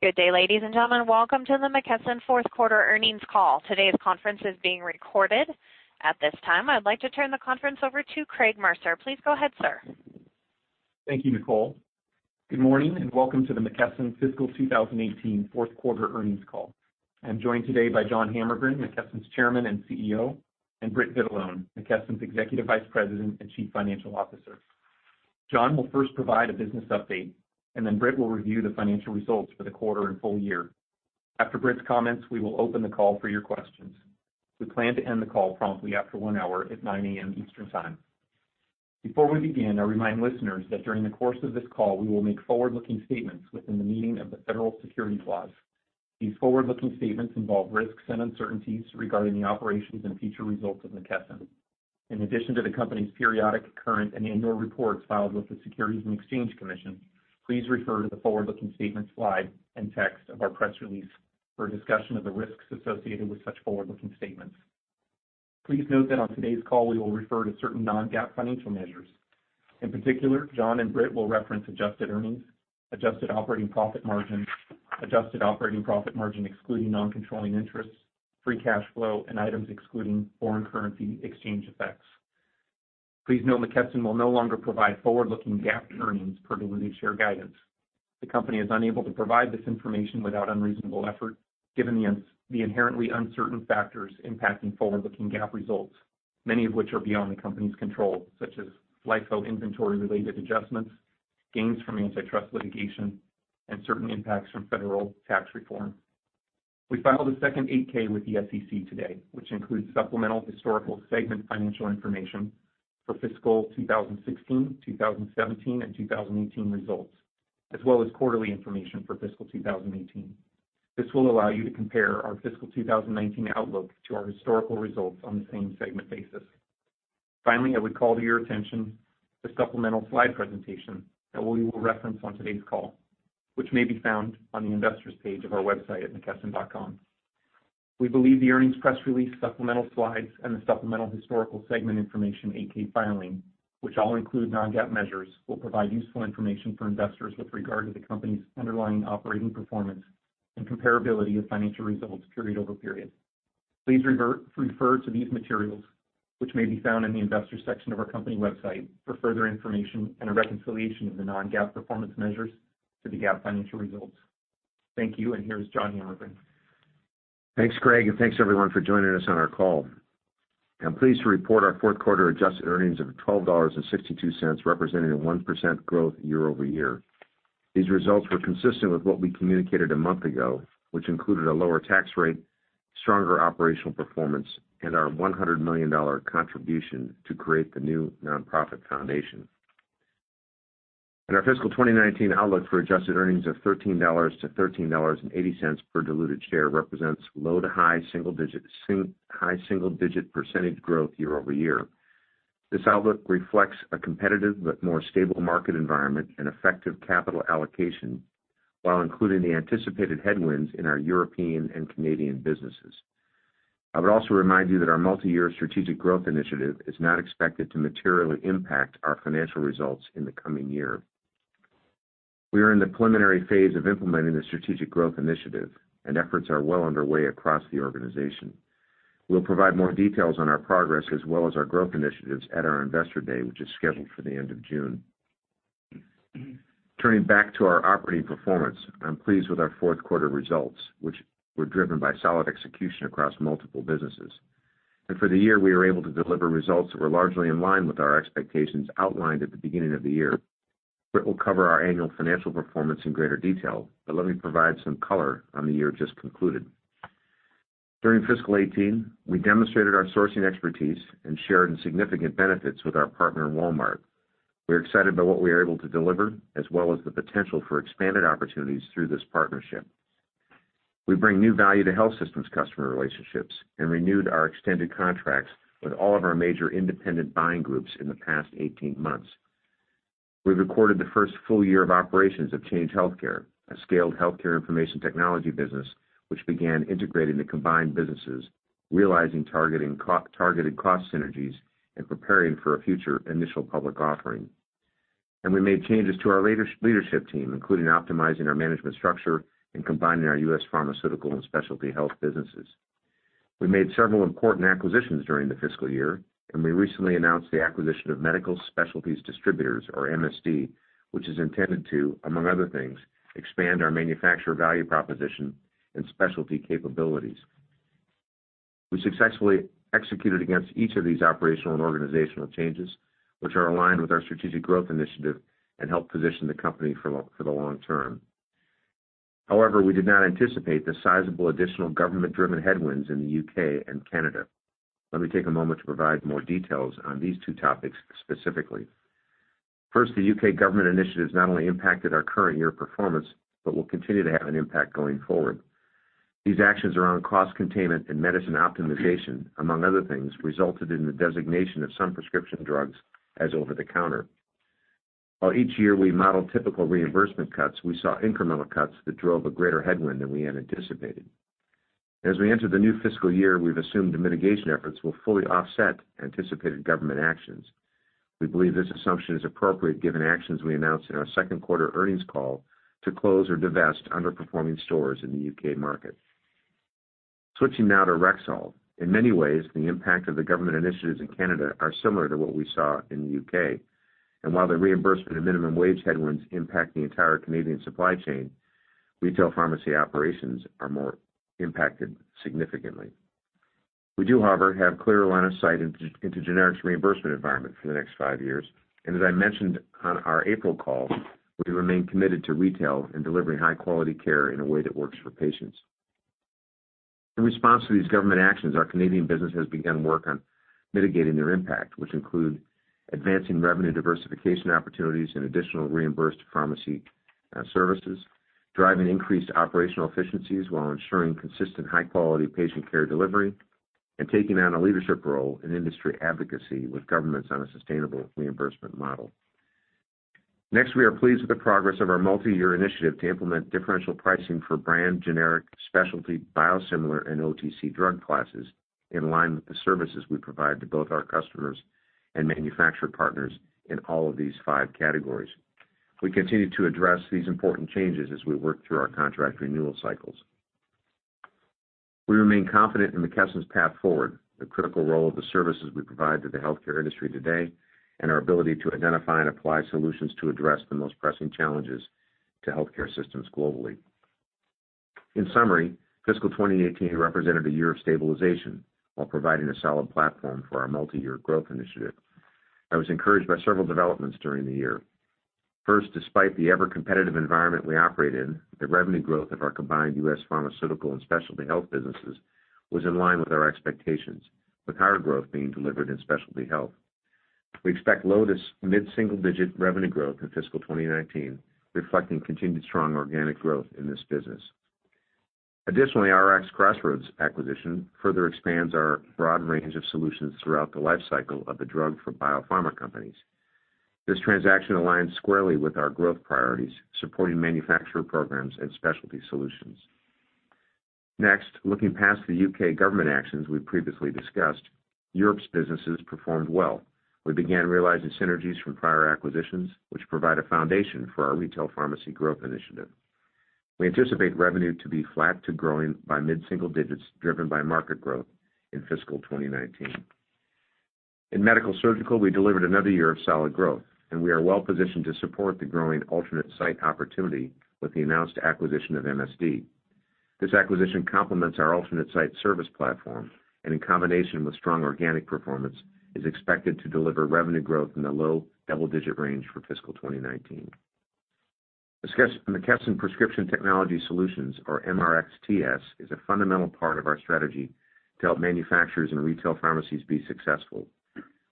Good day, ladies and gentlemen. Welcome to the McKesson fourth quarter earnings call. Today's conference is being recorded. At this time, I'd like to turn the conference over to Craig Mercer. Please go ahead, sir. Thank you, Nicole. Good morning, and welcome to the McKesson fiscal 2018 fourth quarter earnings call. I'm joined today by John Hammergren, McKesson's Chairman and CEO, and Britt Vitalone, McKesson's Executive Vice President and Chief Financial Officer. John will first provide a business update. Britt will review the financial results for the quarter and full year. After Britt's comments, we will open the call for your questions. We plan to end the call promptly after one hour at 9:00 A.M. Eastern Time. Before we begin, I remind listeners that during the course of this call, we will make forward-looking statements within the meaning of the federal securities laws. These forward-looking statements involve risks and uncertainties regarding the operations and future results of McKesson. In addition to the company's periodic current and annual reports filed with the Securities and Exchange Commission, please refer to the forward-looking statement slide and text of our press release for a discussion of the risks associated with such forward-looking statements. Please note that on today's call, we will refer to certain non-GAAP financial measures. In particular, John and Britt will reference adjusted earnings, adjusted operating profit margin, adjusted operating profit margin excluding non-controlling interests, free cash flow, and items excluding foreign currency exchange effects. Please note McKesson will no longer provide forward-looking GAAP earnings per diluted share guidance. The company is unable to provide this information without unreasonable effort, given the inherently uncertain factors impacting forward-looking GAAP results, many of which are beyond the company's control, such as LIFO inventory-related adjustments, gains from antitrust litigation, and certain impacts from federal tax reform. We filed a second 8-K with the SEC today, which includes supplemental historical segment financial information for fiscal 2016, 2017, and 2018 results, as well as quarterly information for fiscal 2018. This will allow you to compare our fiscal 2019 outlook to our historical results on the same segment basis. Finally, I would call to your attention the supplemental slide presentation that we will reference on today's call, which may be found on the investor's page of our website at mckesson.com. We believe the earnings press release supplemental slides and the supplemental historical segment information 8-K filing, which all include non-GAAP measures, will provide useful information for investors with regard to the company's underlying operating performance and comparability of financial results period over period. Please refer to these materials, which may be found in the investor section of our company website for further information and a reconciliation of the non-GAAP performance measures to the GAAP financial results. Thank you, and here's John Hammergren. Thanks, Craig, and thanks everyone for joining us on our call. I'm pleased to report our fourth quarter adjusted earnings of $12.62, representing a 1% growth year-over-year. These results were consistent with what we communicated a month ago, which included a lower tax rate, stronger operational performance, and our $100 million contribution to create the new nonprofit foundation. Our fiscal 2019 outlook for adjusted earnings of $13-$13.80 per diluted share represents low to high single-digit percentage growth year-over-year. This outlook reflects a competitive but more stable market environment and effective capital allocation, while including the anticipated headwinds in our European and Canadian businesses. I would also remind you that our multi-year Strategic Growth Initiative is not expected to materially impact our financial results in the coming year. We are in the preliminary phase of implementing the Strategic Growth Initiative, and efforts are well underway across the organization. We'll provide more details on our progress as well as our growth initiatives at our Investor Day, which is scheduled for the end of June. Turning back to our operating performance, I'm pleased with our fourth quarter results, which were driven by solid execution across multiple businesses. For the year, we were able to deliver results that were largely in line with our expectations outlined at the beginning of the year. Britt will cover our annual financial performance in greater detail, but let me provide some color on the year just concluded. During fiscal 2018, we demonstrated our sourcing expertise and shared in significant benefits with our partner, Walmart. We're excited by what we are able to deliver, as well as the potential for expanded opportunities through this partnership. We bring new value to Health Systems customer relationships and renewed our extended contracts with all of our major independent buying groups in the past 18 months. We recorded the first full year of operations of Change Healthcare, a scaled healthcare information technology business, which began integrating the combined businesses, realizing targeted cost synergies, and preparing for a future initial public offering. We made changes to our leadership team, including optimizing our management structure and combining our U.S. Pharmaceutical and specialty health businesses. We made several important acquisitions during the fiscal year, and we recently announced the acquisition of Medical Specialties Distributors, or MSD, which is intended to, among other things, expand our manufacturer value proposition and specialty capabilities. We successfully executed against each of these operational and organizational changes, which are aligned with our Strategic Growth Initiative and help position the company for the long term. However, we did not anticipate the sizable additional government-driven headwinds in the U.K. and Canada. Let me take a moment to provide more details on these two topics specifically. First, the U.K. government initiatives not only impacted our current year performance, but will continue to have an impact going forward. These actions around cost containment and medicine optimization, among other things, resulted in the designation of some prescription drugs as over-the-counter. While each year we model typical reimbursement cuts, we saw incremental cuts that drove a greater headwind than we had anticipated. As we enter the new fiscal year, we've assumed the mitigation efforts will fully offset anticipated government actions. We believe this assumption is appropriate given actions we announced in our second quarter earnings call to close or divest underperforming stores in the U.K. market. Switching now to Rexall. In many ways, the impact of the government initiatives in Canada are similar to what we saw in the U.K. While the reimbursement and minimum wage headwinds impact the entire Canadian supply chain, retail pharmacy operations are more impacted significantly. We do, however, have clear line of sight into generics reimbursement environment for the next five years. As I mentioned on our April call, we remain committed to retail and delivering high-quality care in a way that works for patients. In response to these government actions, our Canadian business has begun work on mitigating their impact, which include advancing revenue diversification opportunities and additional reimbursed pharmacy services, driving increased operational efficiencies while ensuring consistent high-quality patient care delivery, and taking on a leadership role in industry advocacy with governments on a sustainable reimbursement model. Next, we are pleased with the progress of our multi-year initiative to implement differential pricing for brand, generic, specialty, biosimilar, and OTC drug classes, in line with the services we provide to both our customers and manufacturer partners in all of these 5 categories. We continue to address these important changes as we work through our contract renewal cycles. We remain confident in McKesson's path forward, the critical role of the services we provide to the healthcare industry today, and our ability to identify and apply solutions to address the most pressing challenges to Health Systems globally. In summary, fiscal 2018 represented a year of stabilization while providing a solid platform for our multi-year growth initiative. I was encouraged by several developments during the year. First, despite the ever-competitive environment we operate in, the revenue growth of our combined U.S. Pharmaceutical and Specialty Health businesses was in line with our expectations, with higher growth being delivered in Specialty Health. We expect low to mid-single-digit revenue growth in fiscal 2019, reflecting continued strong organic growth in this business. Additionally, RxCrossroads acquisition further expands our broad range of solutions throughout the life cycle of the drug for biopharma companies. This transaction aligns squarely with our growth priorities, supporting manufacturer programs and specialty solutions. Next, looking past the U.K. government actions we've previously discussed, Europe's businesses performed well. We began realizing synergies from prior acquisitions, which provide a foundation for our retail pharmacy growth initiative. We anticipate revenue to be flat to growing by mid-single digits, driven by market growth in fiscal 2019. In Medical-Surgical, we delivered another year of solid growth, and we are well-positioned to support the growing alternate site opportunity with the announced acquisition of MSD. This acquisition complements our alternate site service platform, and in combination with strong organic performance, is expected to deliver revenue growth in the low double-digit range for fiscal 2019. McKesson Prescription Technology Solutions, or MRXTS, is a fundamental part of our strategy to help manufacturers and retail pharmacies be successful.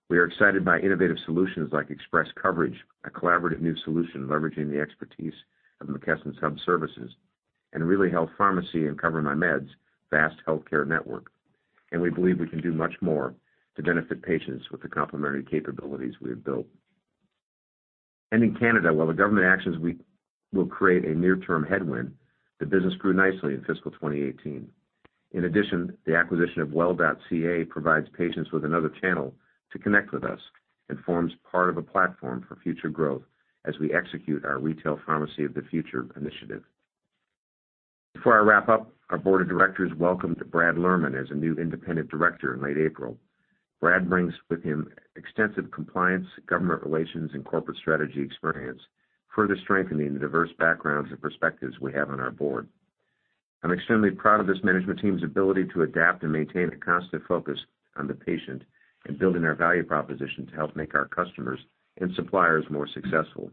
We are excited by innovative solutions like Express Coverage, a collaborative new solution leveraging the expertise of McKesson's hub services, RelayHealth Pharmacy and CoverMyMeds' vast healthcare network. We believe we can do much more to benefit patients with the complementary capabilities we have built. In Canada, while the government actions will create a near-term headwind, the business grew nicely in fiscal 2018. In addition, the acquisition of Well.ca provides patients with another channel to connect with us and forms part of a platform for future growth as we execute our Retail Pharmacy of the Future initiative. Before I wrap up, our board of directors welcomed Brad Lerman as a new independent director in late April. Brad brings with him extensive compliance, government relations, and corporate strategy experience, further strengthening the diverse backgrounds and perspectives we have on our board. I am extremely proud of this management team's ability to adapt and maintain a constant focus on the patient and building our value proposition to help make our customers and suppliers more successful,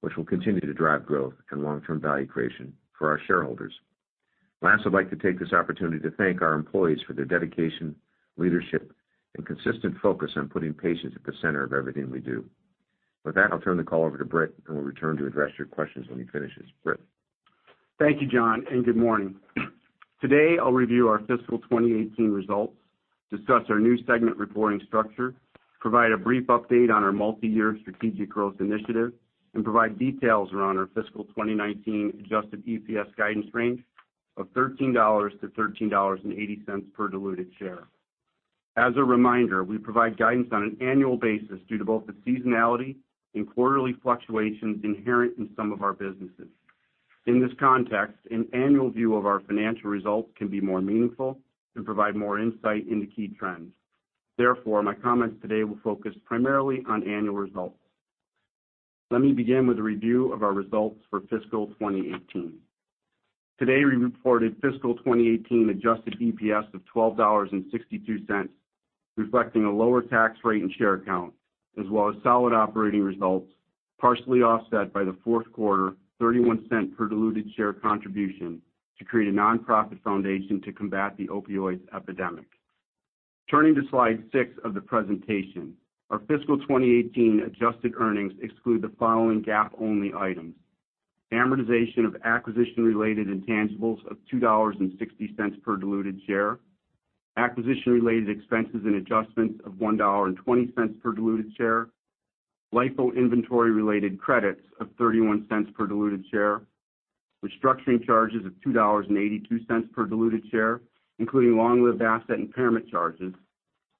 which will continue to drive growth and long-term value creation for our shareholders. Last, I would like to take this opportunity to thank our employees for their dedication, leadership, and consistent focus on putting patients at the center of everything we do. With that, I will turn the call over to Britt, and we will return to address your questions when he finishes. Britt. Thank you, John. Good morning. Today, I will review our fiscal 2018 results, discuss our new segment reporting structure, provide a brief update on our multi-year strategic growth initiative, and provide details around our fiscal 2019 adjusted EPS guidance range of $13 to $13.80 per diluted share. As a reminder, we provide guidance on an annual basis due to both the seasonality and quarterly fluctuations inherent in some of our businesses. In this context, an annual view of our financial results can be more meaningful and provide more insight into key trends. My comments today will focus primarily on annual results. Let me begin with a review of our results for fiscal 2018. Today, we reported fiscal 2018 adjusted EPS of $12.62, reflecting a lower tax rate and share count, as well as solid operating results, partially offset by the fourth quarter $0.31 per diluted share contribution to create a nonprofit foundation to combat the opioid epidemic. Turning to slide six of the presentation. Our fiscal 2018 adjusted earnings exclude the following GAAP-only items: amortization of acquisition-related intangibles of $2.60 per diluted share, acquisition-related expenses and adjustments of $1.20 per diluted share, LIFO inventory-related credits of $0.31 per diluted share, restructuring charges of $2.82 per diluted share, including long-lived asset impairment charges,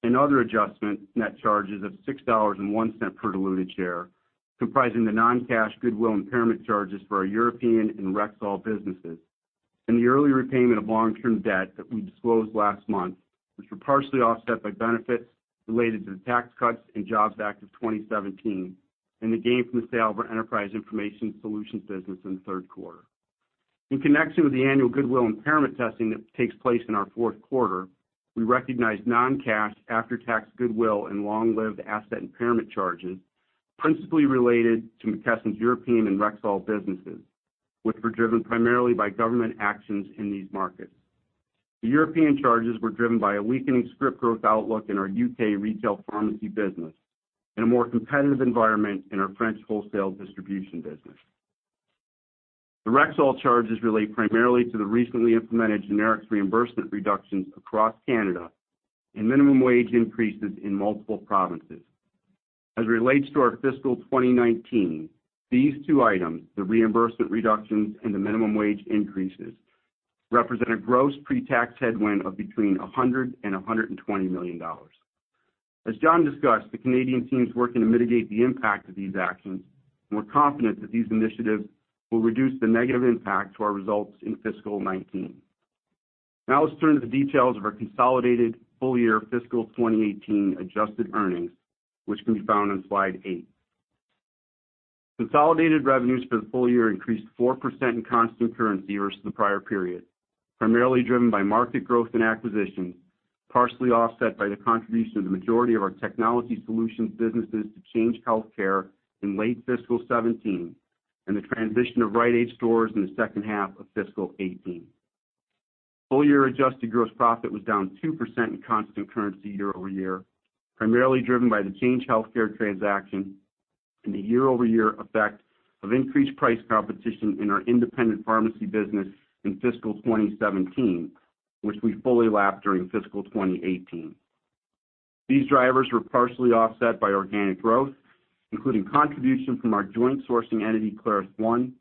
and other adjustment net charges of $6.01 per diluted share, comprising the non-cash goodwill impairment charges for our European and Rexall businesses, and the early repayment of long-term debt that we disclosed last month, which were partially offset by benefits related to the Tax Cuts and Jobs Act of 2017, and the gain from the sale of our Enterprise Information Solutions business in the third quarter. In connection with the annual goodwill impairment testing that takes place in our fourth quarter, we recognized non-cash after-tax goodwill and long-lived asset impairment charges principally related to McKesson's European and Rexall businesses, which were driven primarily by government actions in these markets. The European charges were driven by a weakening script growth outlook in our U.K. retail pharmacy business and a more competitive environment in our French wholesale distribution business. The Rexall charges relate primarily to the recently implemented generics reimbursement reductions across Canada and minimum wage increases in multiple provinces. As it relates to our fiscal 2019, these two items, the reimbursement reductions and the minimum wage increases, represent a gross pre-tax headwind of between $100 million and $120 million. As John discussed, the Canadian team's working to mitigate the impact of these actions, we're confident that these initiatives will reduce the negative impact to our results in fiscal 2019. Now let's turn to the details of our consolidated full-year fiscal 2018 adjusted earnings, which can be found on slide eight. Consolidated revenues for the full year increased 4% in constant currency versus the prior period, primarily driven by market growth and acquisitions, partially offset by the contribution of the majority of our technology solutions businesses to Change Healthcare in late fiscal 2017, and the transition of Rite Aid stores in the second half of fiscal 2018. Full-year adjusted gross profit was down 2% in constant currency year-over-year, primarily driven by the Change Healthcare transaction and the year-over-year effect of increased price competition in our independent pharmacy business in fiscal 2017, which we fully lapped during fiscal 2018. These drivers were partially offset by organic growth, including contribution from our joint sourcing entity, ClarusONE,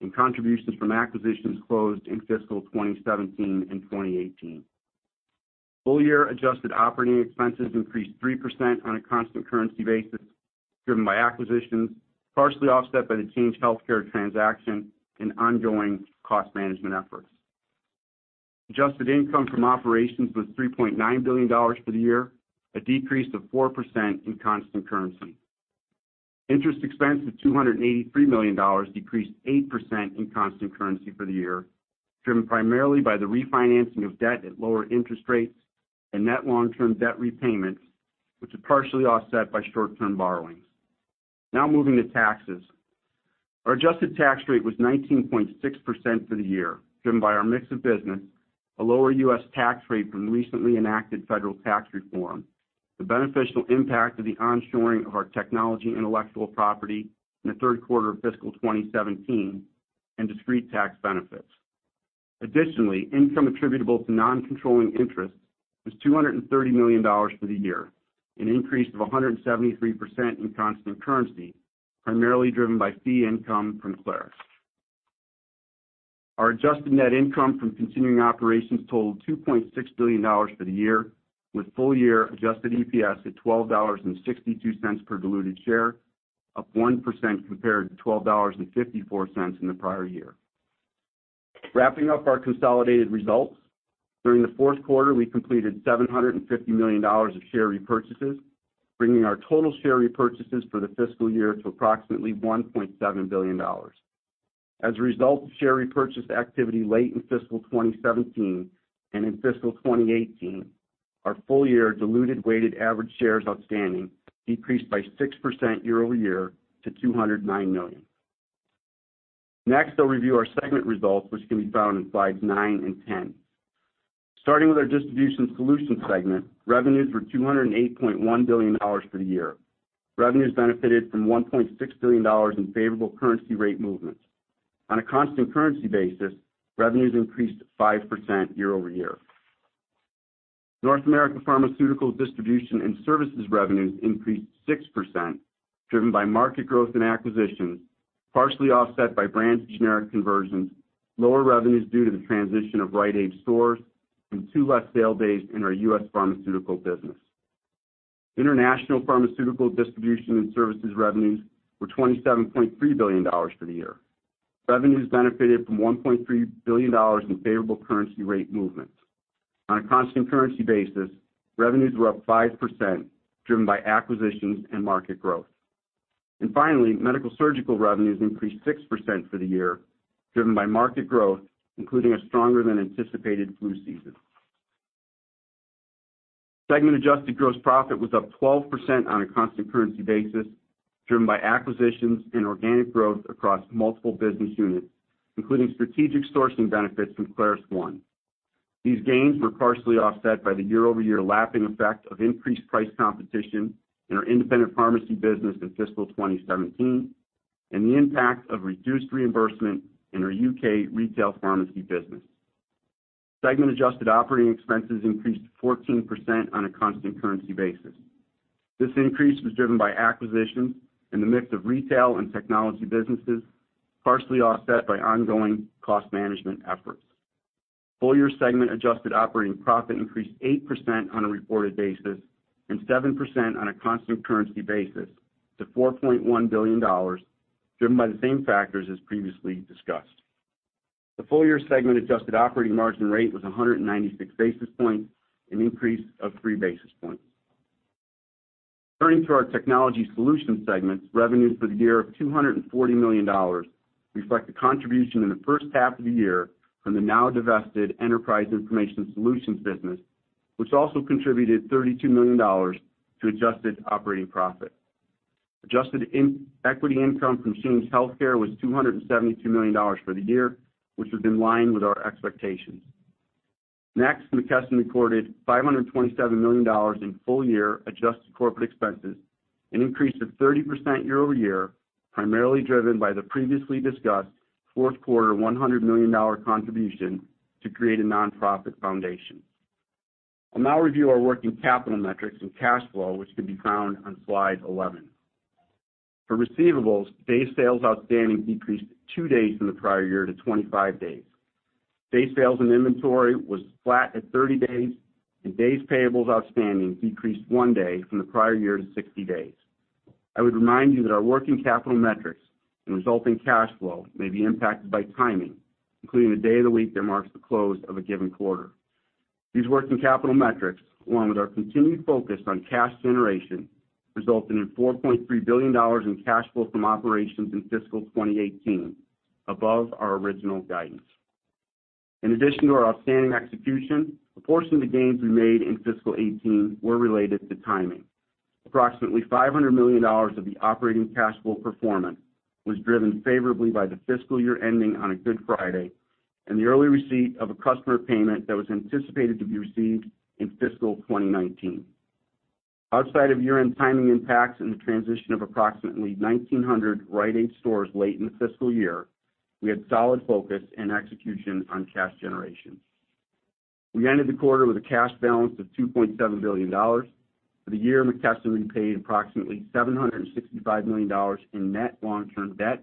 and contributions from acquisitions closed in fiscal 2017 and 2018. Full-year adjusted operating expenses increased 3% on a constant currency basis, driven by acquisitions, partially offset by the Change Healthcare transaction and ongoing cost management efforts. Adjusted income from operations was $3.9 billion for the year, a decrease of 4% in constant currency. Interest expense of $283 million decreased 8% in constant currency for the year, driven primarily by the refinancing of debt at lower interest rates and net long-term debt repayments, which are partially offset by short-term borrowings. Moving to taxes. Our adjusted tax rate was 19.6% for the year, driven by our mix of business, a lower U.S. tax rate from the recently enacted federal tax reform, the beneficial impact of the onshoring of our technology intellectual property in the third quarter of fiscal 2017, and discrete tax benefits. Additionally, income attributable to non-controlling interests was $230 million for the year, an increase of 173% in constant currency, primarily driven by fee income from ClarusONE. Our adjusted net income from continuing operations totaled $2.6 billion for the year, with full-year adjusted EPS at $12.62 per diluted share, up 1% compared to $12.54 in the prior year. Wrapping up our consolidated results, during the fourth quarter, we completed $750 million of share repurchases, bringing our total share repurchases for the fiscal year to approximately $1.7 billion. As a result of share repurchase activity late in fiscal 2017 and in fiscal 2018, our full-year diluted weighted average shares outstanding decreased by 6% year-over-year to 209 million. I'll review our segment results, which can be found on slides nine and 10. Starting with our Distribution Solutions segment, revenues were $208.1 billion for the year. Revenues benefited from $1.6 billion in favorable currency rate movements. On a constant currency basis, revenues increased 5% year-over-year. North America Pharmaceuticals Distribution and Services revenues increased 6%, driven by market growth and acquisitions, partially offset by brands to generic conversions, lower revenues due to the transition of Rite Aid stores, and two less sale days in our U.S. Pharmaceutical business. International pharmaceutical distribution and services revenues were $27.3 billion for the year. Revenues benefited from $1.3 billion in favorable currency rate movements. On a constant currency basis, revenues were up 5%, driven by acquisitions and market growth. Finally, Medical-Surgical revenues increased 6% for the year, driven by market growth, including a stronger than anticipated flu season. Segment adjusted gross profit was up 12% on a constant currency basis, driven by acquisitions and organic growth across multiple business units, including strategic sourcing benefits from ClarusONE. These gains were partially offset by the year-over-year lapping effect of increased price competition in our independent pharmacy business in fiscal 2017 and the impact of reduced reimbursement in our U.K. retail pharmacy business. Segment adjusted operating expenses increased 14% on a constant currency basis. This increase was driven by acquisitions in the mix of retail and technology businesses, partially offset by ongoing cost management efforts. Full-year segment adjusted operating profit increased 8% on a reported basis and 7% on a constant currency basis to $4.1 billion, driven by the same factors as previously discussed. The full-year segment adjusted operating margin rate was 196 basis points, an increase of three basis points. Turning to our Technology Solutions segment, revenues for the year of $240 million reflect the contribution in the first half of the year from the now-divested Enterprise Information Solutions business, which also contributed $32 million to adjusted operating profit. Adjusted equity income from Change Healthcare was $272 million for the year, which was in line with our expectations. McKesson recorded $527 million in full-year adjusted corporate expenses, an increase of 30% year-over-year, primarily driven by the previously discussed fourth quarter $100 million contribution to create a nonprofit foundation. I'll now review our working capital metrics and cash flow, which can be found on slide 11. For receivables, day sales outstanding decreased two days from the prior year to 25 days. Day sales and inventory was flat at 30 days, and days payables outstanding decreased one day from the prior year to 60 days. I would remind you that our working capital metrics and resulting cash flow may be impacted by timing, including the day of the week that marks the close of a given quarter. These working capital metrics, along with our continued focus on cash generation, resulted in $4.3 billion in cash flow from operations in fiscal 2018, above our original guidance. In addition to our outstanding execution, a portion of the gains we made in fiscal 2018 were related to timing. Approximately $500 million of the operating cash flow performance was driven favorably by the fiscal year ending on a Good Friday and the early receipt of a customer payment that was anticipated to be received in fiscal 2019. Outside of year-end timing impacts and the transition of approximately 1,900 Rite Aid stores late in the fiscal year, we had solid focus and execution on cash generation. We ended the quarter with a cash balance of $2.7 billion. For the year, McKesson repaid approximately $765 million in net long-term debt,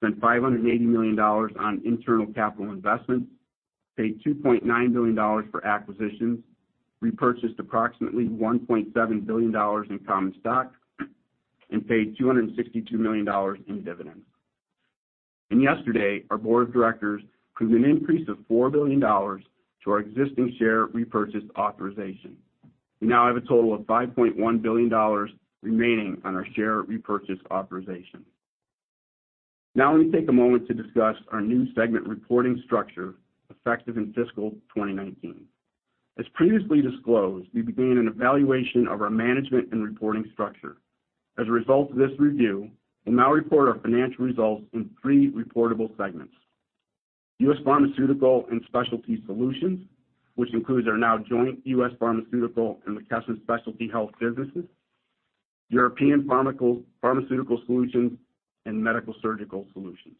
spent $580 million on internal capital investments, paid $2.9 billion for acquisitions, repurchased approximately $1.7 billion in common stock, and paid $262 million in dividends. Yesterday, our board of directors approved an increase of $4 billion to our existing share repurchase authorization. We now have a total of $5.1 billion remaining on our share repurchase authorization. Let me take a moment to discuss our new segment reporting structure effective in fiscal 2019. As previously disclosed, we began an evaluation of our management and reporting structure. As a result of this review, we'll now report our financial results in three reportable segments. U.S. Pharmaceutical and Specialty Solutions, which includes our now joint U.S. Pharmaceutical and McKesson Specialty Health businesses, European Pharmaceutical Solutions, and Medical-Surgical Solutions.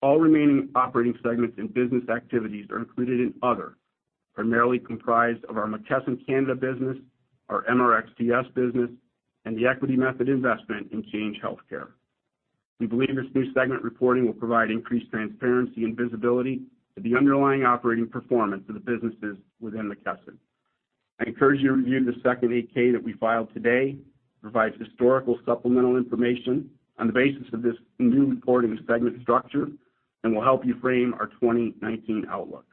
All remaining operating segments and business activities are included in Other, primarily comprised of our McKesson Canada business, our MRxTS business, and the equity method investment in Change Healthcare. We believe this new segment reporting will provide increased transparency and visibility to the underlying operating performance of the businesses within McKesson. I encourage you to review the second 8-K that we filed today. It provides historical supplemental information on the basis of this new reporting segment structure and will help you frame our 2019 outlook.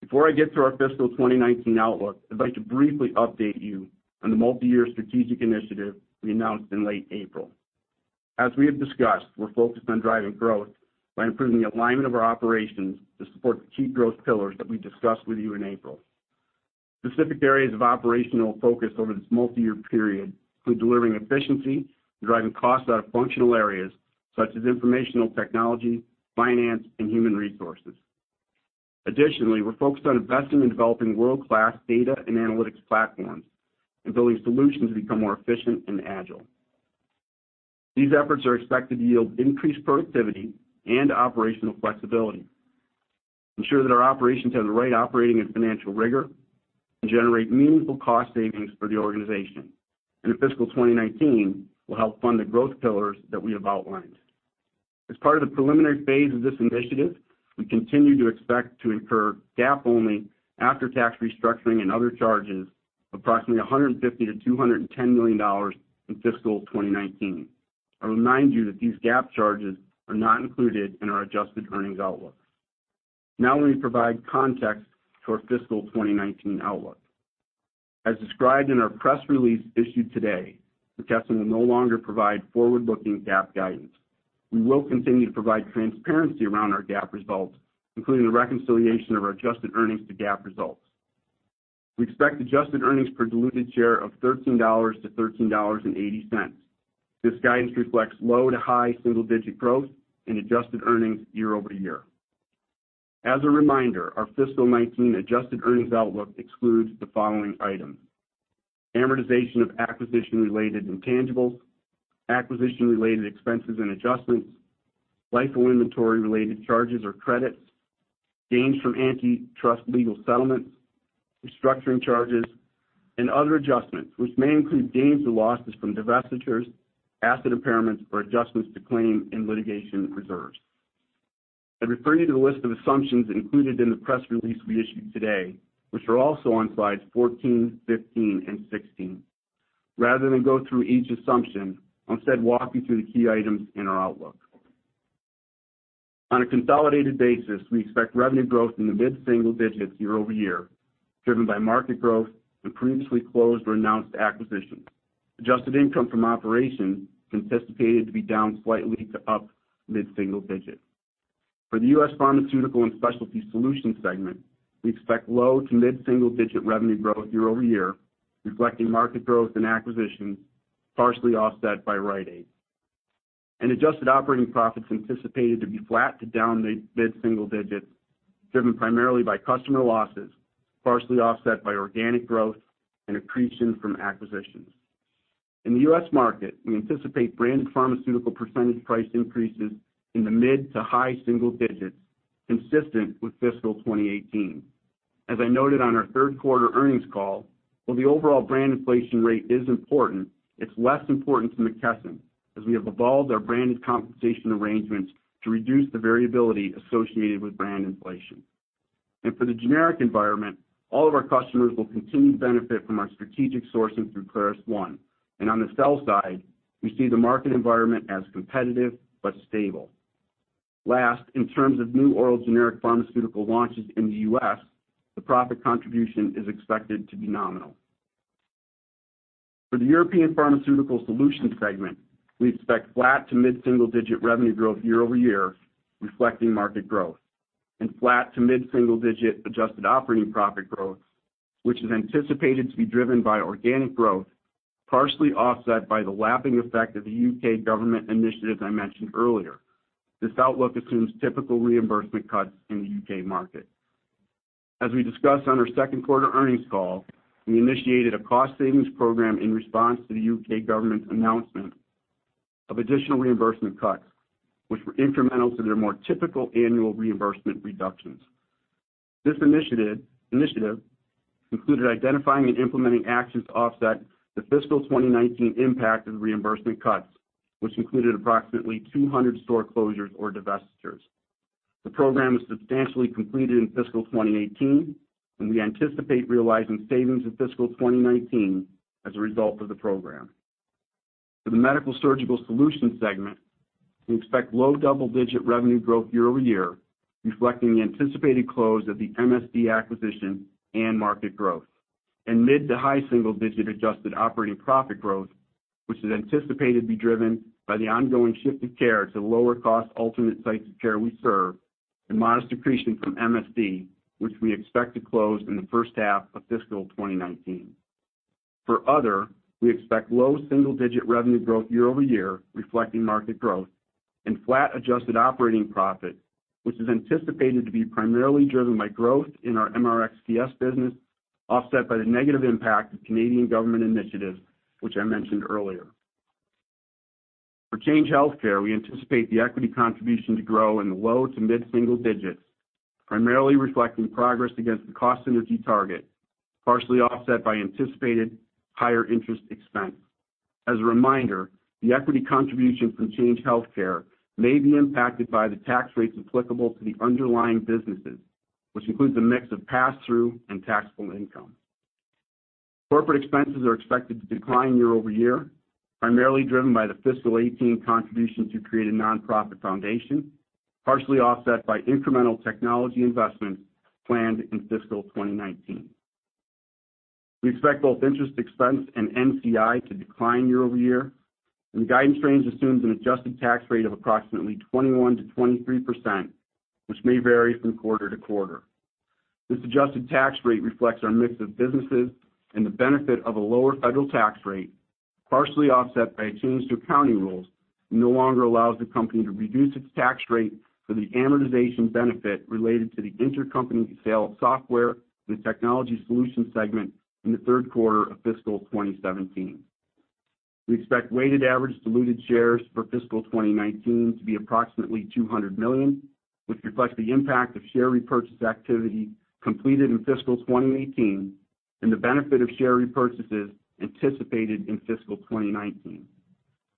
Before I get to our fiscal 2019 outlook, I'd like to briefly update you on the multi-year strategic initiative we announced in late April. As we have discussed, we're focused on driving growth by improving the alignment of our operations to support the key growth pillars that we discussed with you in April. Specific areas of operational focus over this multi-year period include delivering efficiency and driving costs out of informational technology, finance, and human resources. Additionally, we're focused on investing in developing world-class data and analytics platforms and building solutions to become more efficient and agile. These efforts are expected to yield increased productivity and operational flexibility, ensure that our operations have the right operating and financial rigor, and generate meaningful cost savings for the organization. In fiscal 2019, will help fund the growth pillars that we have outlined. As part of the preliminary phase of this initiative, we continue to expect to incur GAAP-only after-tax restructuring and other charges of approximately $150 million-$210 million in fiscal 2019. I'll remind you that these GAAP charges are not included in our adjusted earnings outlook. Let me provide context to our fiscal 2019 outlook. As described in our press release issued today, McKesson will no longer provide forward-looking GAAP guidance. We will continue to provide transparency around our GAAP results, including the reconciliation of our adjusted earnings to GAAP results. We expect adjusted earnings per diluted share of $13-$13.80. This guidance reflects low to high single-digit growth in adjusted earnings year-over-year. As a reminder, our fiscal 2019 adjusted earnings outlook excludes the following items: Amortization of acquisition-related intangibles, acquisition-related expenses and adjustments, LIFO inventory related charges or credits, gains from antitrust legal settlements, restructuring charges, and other adjustments, which may include gains or losses from divestitures, asset impairments, or adjustments to claims and litigation reserves. I refer you to the list of assumptions included in the press release we issued today, which are also on slides 14, 15, and 16. Rather than go through each assumption, I'll instead walk you through the key items in our outlook. On a consolidated basis, we expect revenue growth in the mid-single digits year-over-year, driven by market growth and previously closed or announced acquisitions. Adjusted income from operations is anticipated to be down slightly to up mid-single digit. For the U.S. Pharmaceutical and Specialty Solutions segment, we expect low to mid-single digit revenue growth year-over-year, reflecting market growth and acquisitions partially offset by Rite Aid. Adjusted operating profits anticipated to be flat to down mid-single digits, driven primarily by customer losses, partially offset by organic growth and accretion from acquisitions. In the U.S. market, we anticipate branded pharmaceutical percentage price increases in the mid to high single digits, consistent with fiscal 2018. As I noted on our third quarter earnings call, while the overall brand inflation rate is important, it's less important to McKesson, as we have evolved our branded compensation arrangements to reduce the variability associated with brand inflation. For the generic environment, all of our customers will continue to benefit from our strategic sourcing through ClarusONE. On the sell side, we see the market environment as competitive but stable. Last, in terms of new oral generic pharmaceutical launches in the U.S., the profit contribution is expected to be nominal. For the European Pharmaceutical Solutions segment, we expect flat to mid-single digit revenue growth year-over-year, reflecting market growth. Flat to mid-single digit adjusted operating profit growth, which is anticipated to be driven by organic growth, partially offset by the lapping effect of the U.K. government initiatives I mentioned earlier. This outlook assumes typical reimbursement cuts in the U.K. market. As we discussed on our second quarter earnings call, we initiated a cost savings program in response to the U.K. government's announcement of additional reimbursement cuts, which were incremental to their more typical annual reimbursement reductions. This initiative included identifying and implementing actions to offset the fiscal 2019 impact of the reimbursement cuts, which included approximately 200 store closures or divestitures. The program was substantially completed in fiscal 2018, and we anticipate realizing savings in fiscal 2019 as a result of the program. For the Medical-Surgical Solutions segment, we expect low double-digit revenue growth year-over-year, reflecting the anticipated close of the MSD acquisition and market growth. Mid to high single digit adjusted operating profit growth, which is anticipated to be driven by the ongoing shift of care to lower cost alternate sites of care we serve and modest accretion from MSD, which we expect to close in the first half of fiscal 2019. For other, we expect low single digit revenue growth year-over-year, reflecting market growth and flat adjusted operating profit, which is anticipated to be primarily driven by growth in our MRxTS business, offset by the negative impact of Canadian government initiatives, which I mentioned earlier. For Change Healthcare, we anticipate the equity contribution to grow in the low to mid-single digits, primarily reflecting progress against the cost synergy target, partially offset by anticipated higher interest expense. As a reminder, the equity contribution from Change Healthcare may be impacted by the tax rates applicable to the underlying businesses, which includes a mix of pass-through and taxable income. Corporate expenses are expected to decline year-over-year, primarily driven by the fiscal 2018 contribution to create a nonprofit foundation, partially offset by incremental technology investments planned in fiscal 2019. We expect both interest expense and NCI to decline year-over-year. The guidance range assumes an adjusted tax rate of approximately 21%-23%, which may vary from quarter-to-quarter. This adjusted tax rate reflects our mix of businesses and the benefit of a lower federal tax rate, partially offset by changes to accounting rules that no longer allows the company to reduce its tax rate for the amortization benefit related to the intercompany sale of software in the technology solutions segment in the third quarter of fiscal 2017. We expect weighted average diluted shares for fiscal 2019 to be approximately 200 million, which reflects the impact of share repurchase activity completed in fiscal 2018 and the benefit of share repurchases anticipated in fiscal 2019.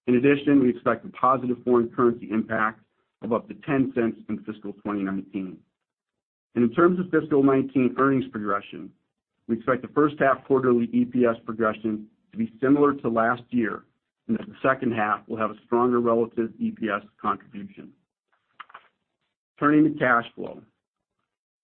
In addition, we expect a positive foreign currency impact of up to $0.10 in fiscal 2019. In terms of fiscal 2019 earnings progression, we expect the first half quarterly EPS progression to be similar to last year. The second half will have a stronger relative EPS contribution. Turning to cash flow.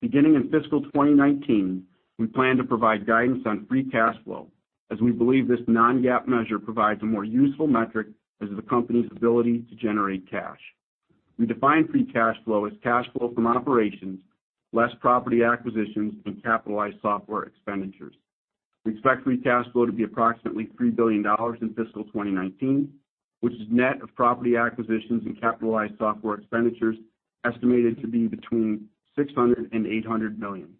Beginning in fiscal 2019, we plan to provide guidance on free cash flow, as we believe this non-GAAP measure provides a more useful metric as to the company's ability to generate cash. We define free cash flow as cash flow from operations, less property acquisitions and capitalized software expenditures. We expect free cash flow to be approximately $3 billion in fiscal 2019, which is net of property acquisitions and capitalized software expenditures Estimated to be between $600 million and $800 million.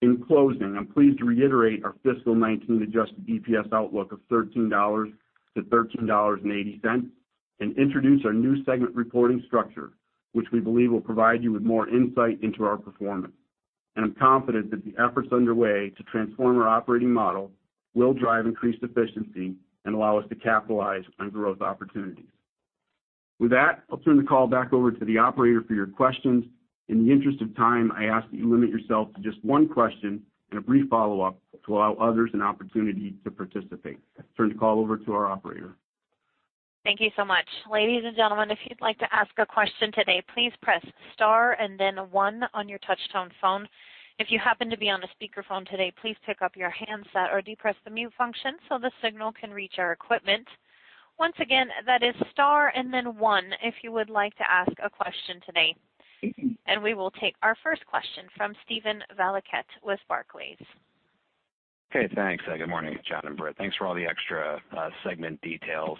In closing, I'm pleased to reiterate our fiscal 2019 adjusted EPS outlook of $13 to $13.80, and introduce our new segment reporting structure, which we believe will provide you with more insight into our performance. I'm confident that the efforts underway to transform our operating model will drive increased efficiency and allow us to capitalize on growth opportunities. With that, I'll turn the call back over to the operator for your questions. In the interest of time, I ask that you limit yourself to just one question and a brief follow-up to allow others an opportunity to participate. I turn the call over to our operator. Thank you so much. Ladies and gentlemen, if you'd like to ask a question today, please press star and then 1 on your touch-tone phone. If you happen to be on a speakerphone today, please pick up your handset or depress the mute function so the signal can reach our equipment. Once again, that is star and then 1 if you would like to ask a question today. We will take our first question from Steven Valiquette with Barclays. Okay, thanks. Good morning, John and Britt. Thanks for all the extra segment details.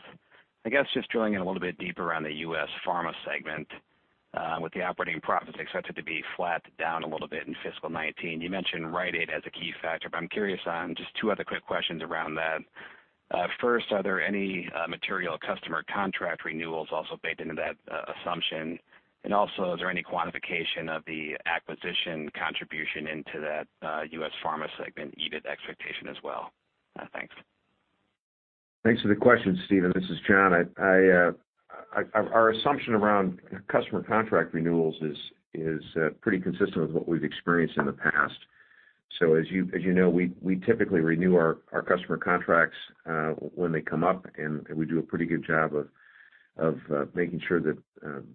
I guess just drilling in a little bit deeper around the U.S. Pharma segment, with the operating profits expected to be flat to down a little bit in fiscal 2019. You mentioned Rite Aid as a key factor, but I'm curious on just two other quick questions around that. First, are there any material customer contract renewals also baked into that assumption? Also, is there any quantification of the acquisition contribution into that U.S. Pharma segment, EBIT expectation as well? Thanks. Thanks for the question, Steven. This is John. Our assumption around customer contract renewals is pretty consistent with what we've experienced in the past. As you know, we typically renew our customer contracts, when they come up, and we do a pretty good job of making sure that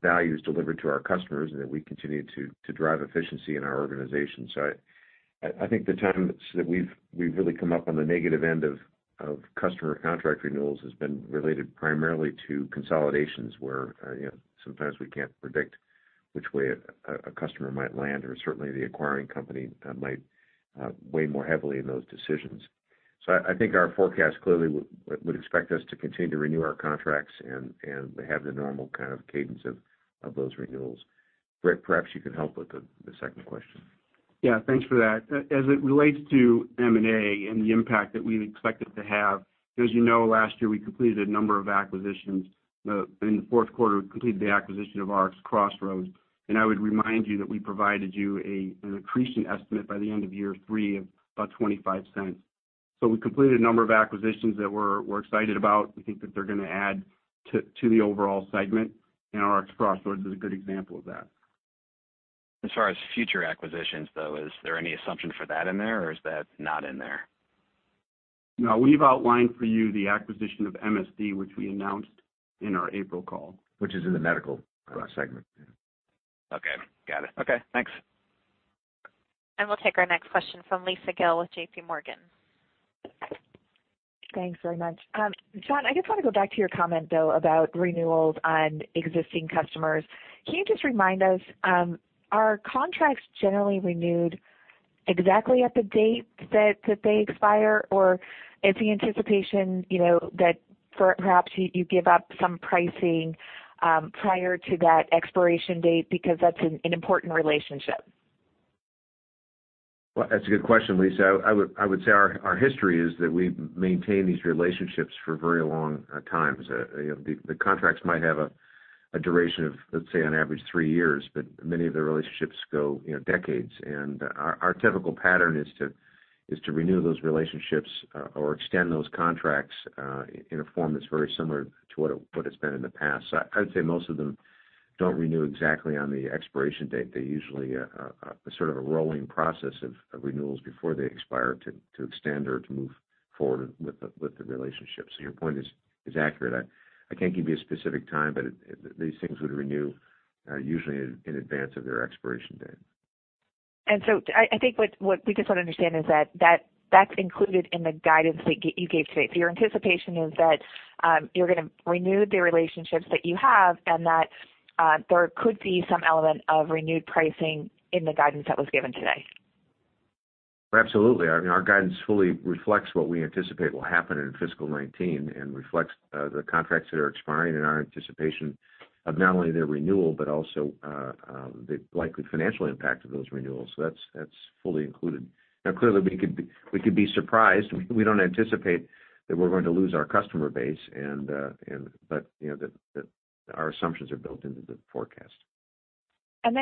value is delivered to our customers and that we continue to drive efficiency in our organization. I think the times that we've really come up on the negative end of customer contract renewals has been related primarily to consolidations, where sometimes we can't predict which way a customer might land, or certainly the acquiring company might weigh more heavily in those decisions. I think our forecast clearly would expect us to continue to renew our contracts and have the normal kind of cadence of those renewals. Britt, perhaps you could help with the second question. Yeah, thanks for that. As it relates to M&A and the impact that we expected to have, as you know, last year, we completed a number of acquisitions. In the fourth quarter, we completed the acquisition of RxCrossroads, and I would remind you that we provided you an accretion estimate by the end of year 3 of about $0.25. We completed a number of acquisitions that we're excited about. We think that they're going to add to the overall segment, and RxCrossroads is a good example of that. As far as future acquisitions, though, is there any assumption for that in there, or is that not in there? No, we've outlined for you the acquisition of MSD, which we announced in our April call. Which is in the medical segment. Okay, got it. Okay, thanks. We'll take our next question from Lisa Gill with JPMorgan. Thanks very much. John, I just want to go back to your comment, though, about renewals on existing customers. Can you just remind us, are contracts generally renewed exactly at the date that they expire? Or is the anticipation that perhaps you give up some pricing, prior to that expiration date because that's an important relationship? Well, that's a good question, Lisa. I would say our history is that we maintain these relationships for very long times. The contracts might have a duration of, let's say, on average three years, but many of the relationships go decades. Our typical pattern is to renew those relationships or extend those contracts in a form that's very similar to what it's been in the past. I'd say most of them don't renew exactly on the expiration date. They usually, a sort of a rolling process of renewals before they expire to extend or to move forward with the relationship. Your point is accurate. I can't give you a specific time, but these things would renew usually in advance of their expiration date. I think what we just want to understand is that's included in the guidance that you gave today. Your anticipation is that you're going to renew the relationships that you have and that there could be some element of renewed pricing in the guidance that was given today. Absolutely. I mean, our guidance fully reflects what we anticipate will happen in fiscal 2019 and reflects the contracts that are expiring and our anticipation of not only their renewal, but also the likely financial impact of those renewals. That's fully included. Now, clearly, we could be surprised. We don't anticipate that we're going to lose our customer base, but our assumptions are built into the forecast. As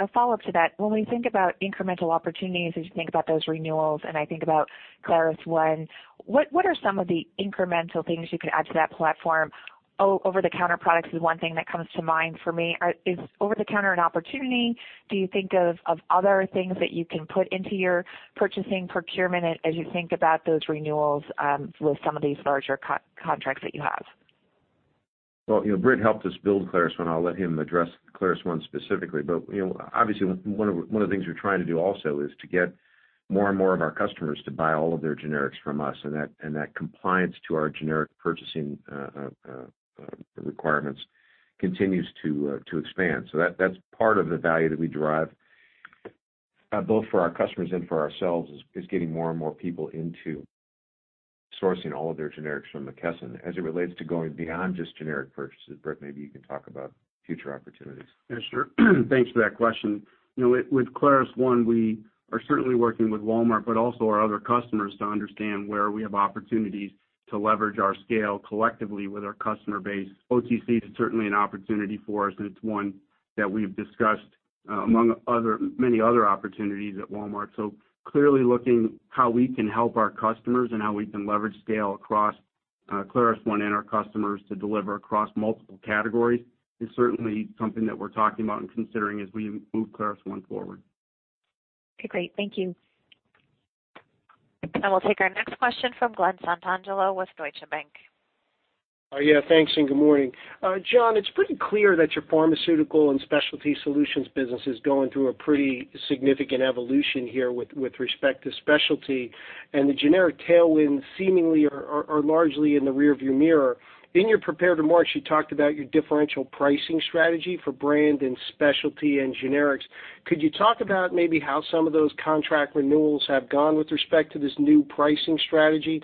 a follow-up to that, when we think about incremental opportunities, as you think about those renewals, and I think about ClarusONE, what are some of the incremental things you can add to that platform? Over-the-counter products is one thing that comes to mind for me. Is over-the-counter an opportunity? Do you think of other things that you can put into your purchasing procurement as you think about those renewals with some of these larger contracts that you have? Well, Britt helped us build ClarusONE. I'll let him address ClarusONE specifically. Obviously, one of the things we're trying to do also is to get more and more of our customers to buy all of their generics from us, and that compliance to our generic purchasing requirements continues to expand. That's part of the value that we derive, both for our customers and for ourselves, is getting more and more people into sourcing all of their generics from McKesson as it relates to going beyond just generic purchases. Britt, maybe you can talk about future opportunities. Yeah, sure. Thanks for that question. With ClarusONE, we are certainly working with Walmart, but also our other customers to understand where we have opportunities to leverage our scale collectively with our customer base. OTC is certainly an opportunity for us, and it's one that we've discussed among many other opportunities at Walmart. Clearly looking how we can help our customers and how we can leverage scale across ClarusONE and our customers to deliver across multiple categories is certainly something that we're talking about and considering as we move ClarusONE forward. Okay, great. Thank you. We'll take our next question from Glen Santangelo with Deutsche Bank. Thanks, and good morning. John, it's pretty clear that your pharmaceutical and specialty solutions business is going through a pretty significant evolution here with respect to specialty, and the generic tailwinds seemingly are largely in the rearview mirror. In your prepared remarks, you talked about your differential pricing strategy for brand and specialty and generics. Could you talk about maybe how some of those contract renewals have gone with respect to this new pricing strategy?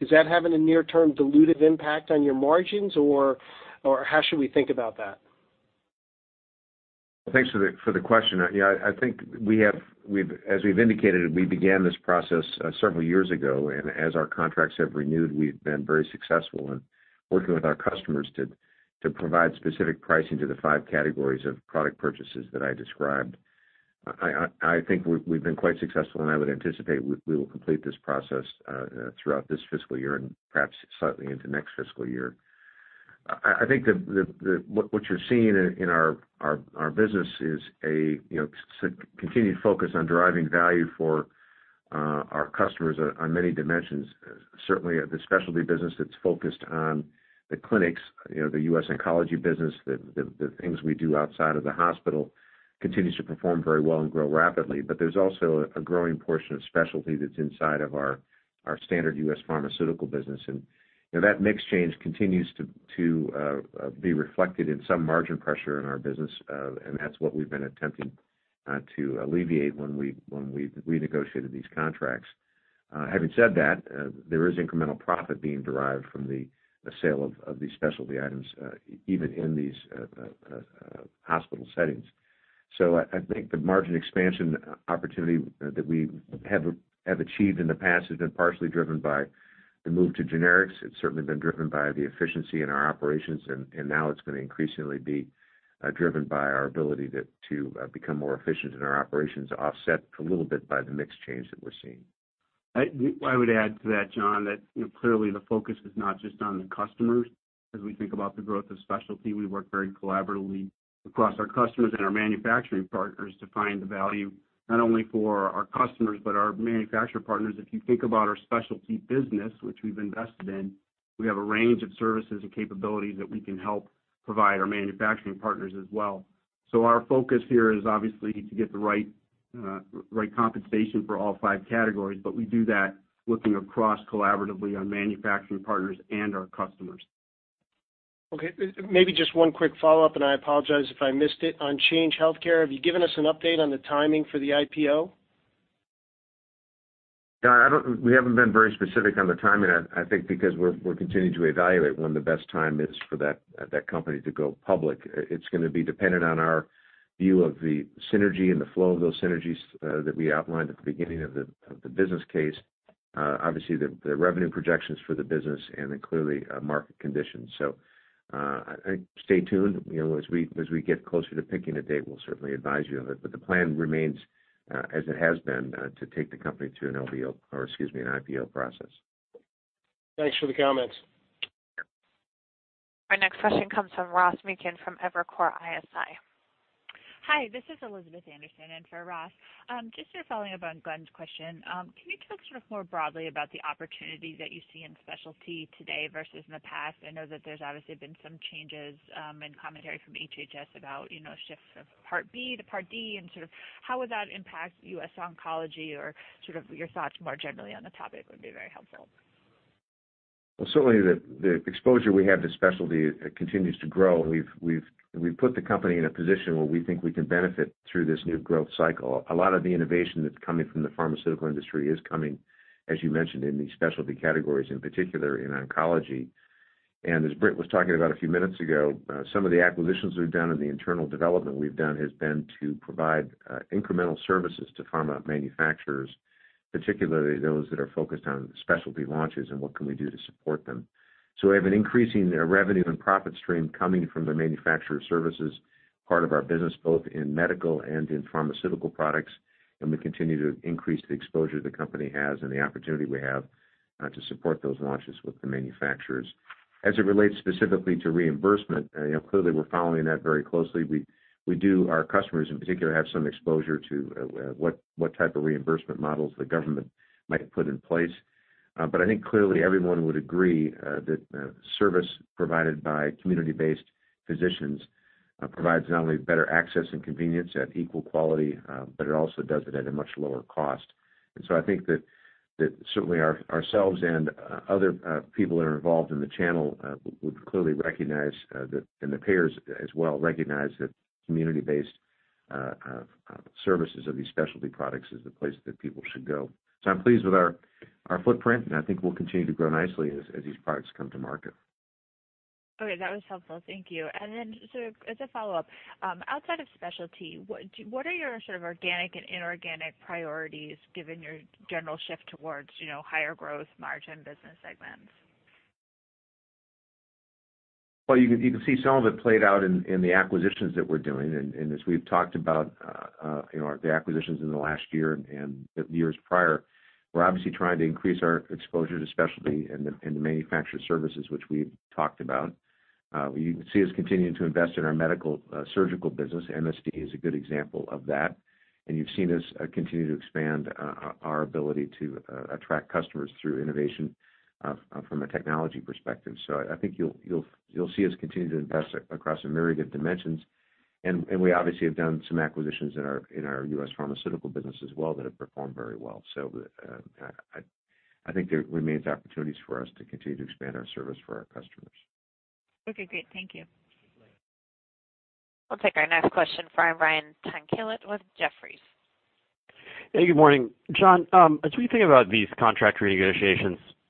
Is that having a near-term dilutive impact on your margins, or how should we think about that? Thanks for the question. I think as we've indicated, we began this process several years ago, and as our contracts have renewed, we've been very successful in working with our customers to provide specific pricing to the 5 categories of product purchases that I described. I think we've been quite successful, and I would anticipate we will complete this process throughout this fiscal year and perhaps slightly into next fiscal year. I think that what you're seeing in our business is a continued focus on driving value for our customers on many dimensions. Certainly, the specialty business that's focused on the clinics, the U.S. Oncology business, the things we do outside of the hospital, continues to perform very well and grow rapidly. But there's also a growing portion of specialty that's inside of our standard U.S. Pharmaceutical business. That mix change continues to be reflected in some margin pressure in our business, and that's what we've been attempting to alleviate when we negotiated these contracts. Having said that, there is incremental profit being derived from the sale of these specialty items, even in these hospital settings. I think the margin expansion opportunity that we have achieved in the past has been partially driven by the move to generics. It's certainly been driven by the efficiency in our operations, and now it's going to increasingly be driven by our ability to become more efficient in our operations, offset a little bit by the mix change that we're seeing. I would add to that, John, that clearly the focus is not just on the customers. As we think about the growth of specialty, we work very collaboratively across our customers and our manufacturing partners to find the value not only for our customers but our manufacturer partners. If you think about our specialty business, which we've invested in, we have a range of services and capabilities that we can help provide our manufacturing partners as well. Our focus here is obviously to get the right compensation for all 5 categories, but we do that looking across collaboratively on manufacturing partners and our customers. Okay. Maybe just one quick follow-up, and I apologize if I missed it. On Change Healthcare, have you given us an update on the timing for the IPO? No, we haven't been very specific on the timing. I think because we're continuing to evaluate when the best time is for that company to go public. It's going to be dependent on our view of the synergy and the flow of those synergies that we outlined at the beginning of the business case. Obviously, the revenue projections for the business and clearly market conditions. Stay tuned. As we get closer to picking a date, we'll certainly advise you of it. The plan remains, as it has been, to take the company to an IPO or, excuse me, an IPO process. Thanks for the comments. Our next question comes from Ross Muken from Evercore ISI. Hi, this is Elizabeth Anderson in for Ross. Just following up on Glen's question, can you talk sort of more broadly about the opportunities that you see in specialty today versus in the past? I know that there's obviously been some changes in commentary from HHS about shifts of Part B to Part D. Sort of how would that impact U.S. Oncology or sort of your thoughts more generally on the topic would be very helpful. Well, certainly the exposure we have to specialty continues to grow. We've put the company in a position where we think we can benefit through this new growth cycle. A lot of the innovation that's coming from the pharmaceutical industry is coming, as you mentioned, in the specialty categories, in particular in oncology. As Britt was talking about a few minutes ago, some of the acquisitions we've done and the internal development we've done has been to provide incremental services to pharma manufacturers, particularly those that are focused on specialty launches and what can we do to support them. We have an increasing revenue and profit stream coming from the manufacturer services part of our business, both in medical and in pharmaceutical products, and we continue to increase the exposure the company has and the opportunity we have to support those launches with the manufacturers. As it relates specifically to reimbursement, clearly we're following that very closely. Our customers in particular have some exposure to what type of reimbursement models the government might put in place. I think clearly everyone would agree that service provided by community-based physicians provides not only better access and convenience at equal quality, but it also does it at a much lower cost. I think that certainly ourselves and other people that are involved in the channel would clearly recognize, and the payers as well recognize that community-based services of these specialty products is the place that people should go. I'm pleased with our footprint, and I think we'll continue to grow nicely as these products come to market. Okay, that was helpful. Thank you. As a follow-up, outside of specialty, what are your sort of organic and inorganic priorities given your general shift towards higher growth margin business segments? Well, you can see some of it played out in the acquisitions that we're doing. As we've talked about the acquisitions in the last year and the years prior, we're obviously trying to increase our exposure to specialty and the manufactured services, which we've talked about. You can see us continuing to invest in our medical surgical business. MSD is a good example of that. You've seen us continue to expand our ability to attract customers through innovation from a technology perspective. I think you'll see us continue to invest across a myriad of dimensions. We obviously have done some acquisitions in our U.S. Pharmaceutical business as well that have performed very well. I think there remains opportunities for us to continue to expand our service for our customers. Okay, great. Thank you. We'll take our next question from Brian Tanquilut with Jefferies. Hey, good morning. John, as we think about these contract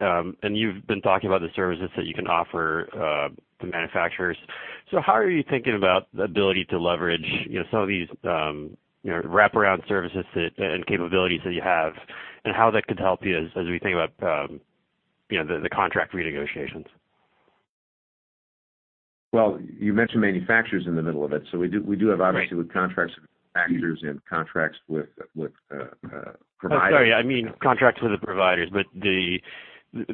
renegotiations, you've been talking about the services that you can offer the manufacturers. How are you thinking about the ability to leverage some of these wraparound services and capabilities that you have, how that could help you as we think about the contract renegotiations? Well, you mentioned manufacturers in the middle of it. Right Obviously, with contracts with manufacturers and contracts with providers. Oh, sorry. I mean, contracts with the providers. Do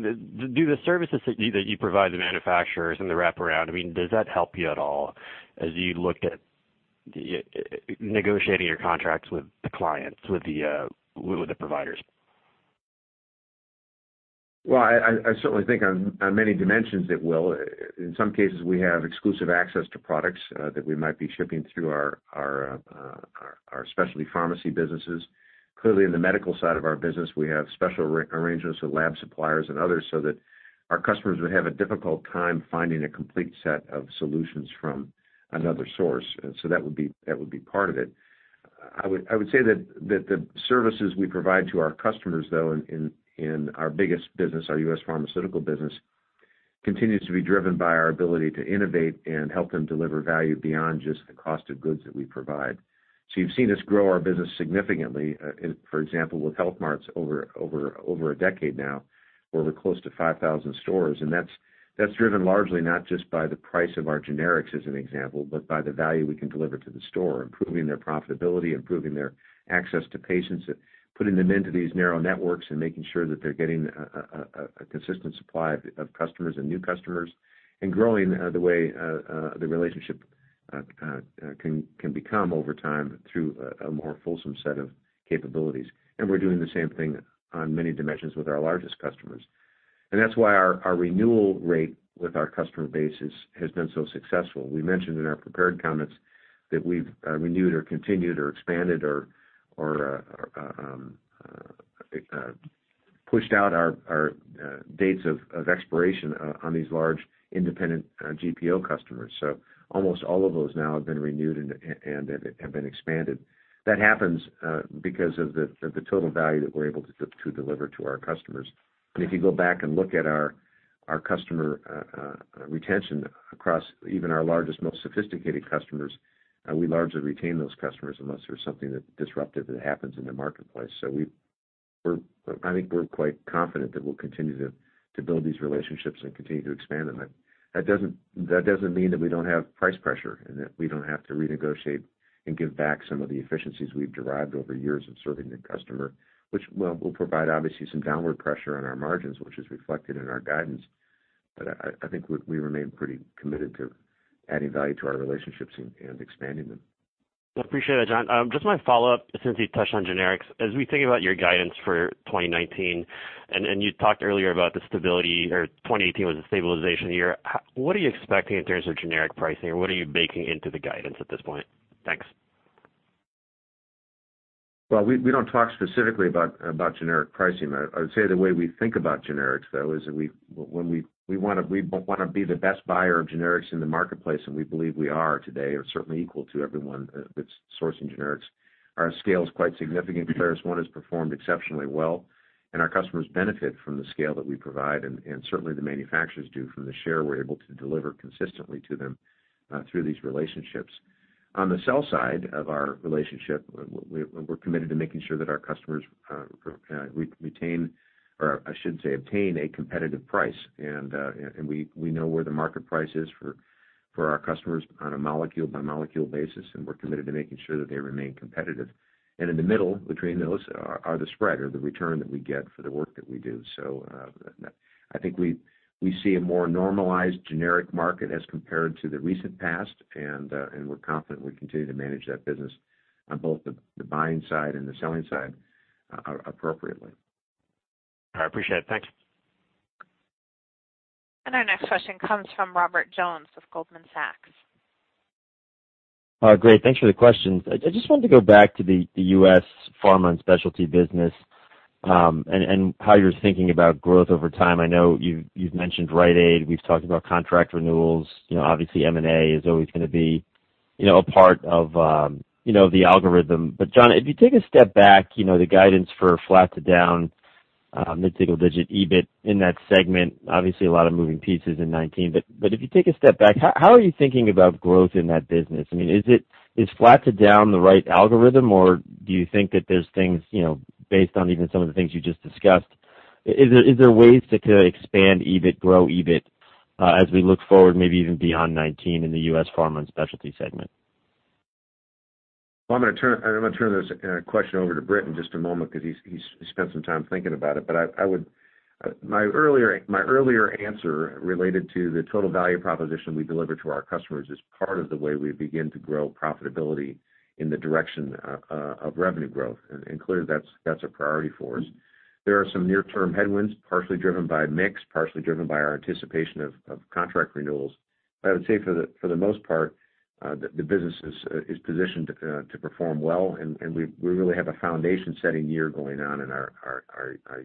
the services that you provide the manufacturers and the wraparound, does that help you at all as you look at negotiating your contracts with the clients, with the providers? Well, I certainly think on many dimensions it will. In some cases, we have exclusive access to products that we might be shipping through our specialty pharmacy businesses. Clearly, in the medical side of our business, we have special arrangements with lab suppliers and others so that our customers would have a difficult time finding a complete set of solutions from another source. That would be part of it. I would say that the services we provide to our customers, though, in our biggest business, our U.S. Pharmaceutical business, continues to be driven by our ability to innovate and help them deliver value beyond just the cost of goods that we provide. You've seen us grow our business significantly, for example, with Health Marts over a decade now, where we're close to 5,000 stores. That's driven largely not just by the price of our generics as an example, but by the value we can deliver to the store, improving their profitability, improving their access to patients, putting them into these narrow networks and making sure that they're getting a consistent supply of customers and new customers, and growing the way the relationship can become over time through a more fulsome set of capabilities. We're doing the same thing on many dimensions with our largest customers. That's why our renewal rate with our customer base has been so successful. We mentioned in our prepared comments that we've renewed or continued or expanded or pushed out our dates of expiration on these large independent GPO customers. Almost all of those now have been renewed and have been expanded. That happens because of the total value that we're able to deliver to our customers. If you go back and look at our customer retention across even our largest, most sophisticated customers, we largely retain those customers unless there's something disruptive that happens in the marketplace. I think we're quite confident that we'll continue to build these relationships and continue to expand them. That doesn't mean that we don't have price pressure and that we don't have to renegotiate and give back some of the efficiencies we've derived over years of serving the customer, which will provide, obviously, some downward pressure on our margins, which is reflected in our guidance. I think we remain pretty committed to adding value to our relationships and expanding them. I appreciate it, John. Just my follow-up, since you touched on generics. As we think about your guidance for 2019, you talked earlier about the stability or 2018 was a stabilization year. What are you expecting in terms of generic pricing or what are you baking into the guidance at this point? Thanks. Well, we don't talk specifically about generic pricing. I would say the way we think about generics, though, is we want to be the best buyer of generics in the marketplace, we believe we are today or certainly equal to everyone that's sourcing generics. Our scale's quite significant. McKesson has performed exceptionally well, our customers benefit from the scale that we provide, certainly, the manufacturers do from the share we're able to deliver consistently to them through these relationships. On the sell side of our relationship, we're committed to making sure that our customers retain, or I should say, obtain a competitive price. We know where the market price is for our customers on a molecule-by-molecule basis, we're committed to making sure that they remain competitive. In the middle between those are the spread or the return that we get for the work that we do. I think we see a more normalized generic market as compared to the recent past, and we're confident we continue to manage that business on both the buying side and the selling side appropriately. All right. Appreciate it. Thanks. Our next question comes from Robert Jones with Goldman Sachs. Great. Thanks for the questions. I just wanted to go back to the U.S. Pharma and Specialty business. How you're thinking about growth over time. I know you've mentioned Rite Aid. We've talked about contract renewals. Obviously, M&A is always going to be a part of the algorithm. John, if you take a step back, the guidance for flat to down mid-single-digit EBIT in that segment, obviously, a lot of moving pieces in 2019. If you take a step back, how are you thinking about growth in that business? I mean, is flat to down the right algorithm, or do you think that there's things based on even some of the things you just discussed, is there ways to expand EBIT, grow EBIT, as we look forward, maybe even beyond 2019 in the U.S. Pharma and Specialty segment? I'm going to turn this question over to Britt in just a moment because he spent some time thinking about it. My earlier answer related to the total value proposition we deliver to our customers is part of the way we begin to grow profitability in the direction of revenue growth. Clearly, that's a priority for us. There are some near-term headwinds, partially driven by mix, partially driven by our anticipation of contract renewals. I would say for the most part, the business is positioned to perform well, and we really have a foundation-setting year going on in our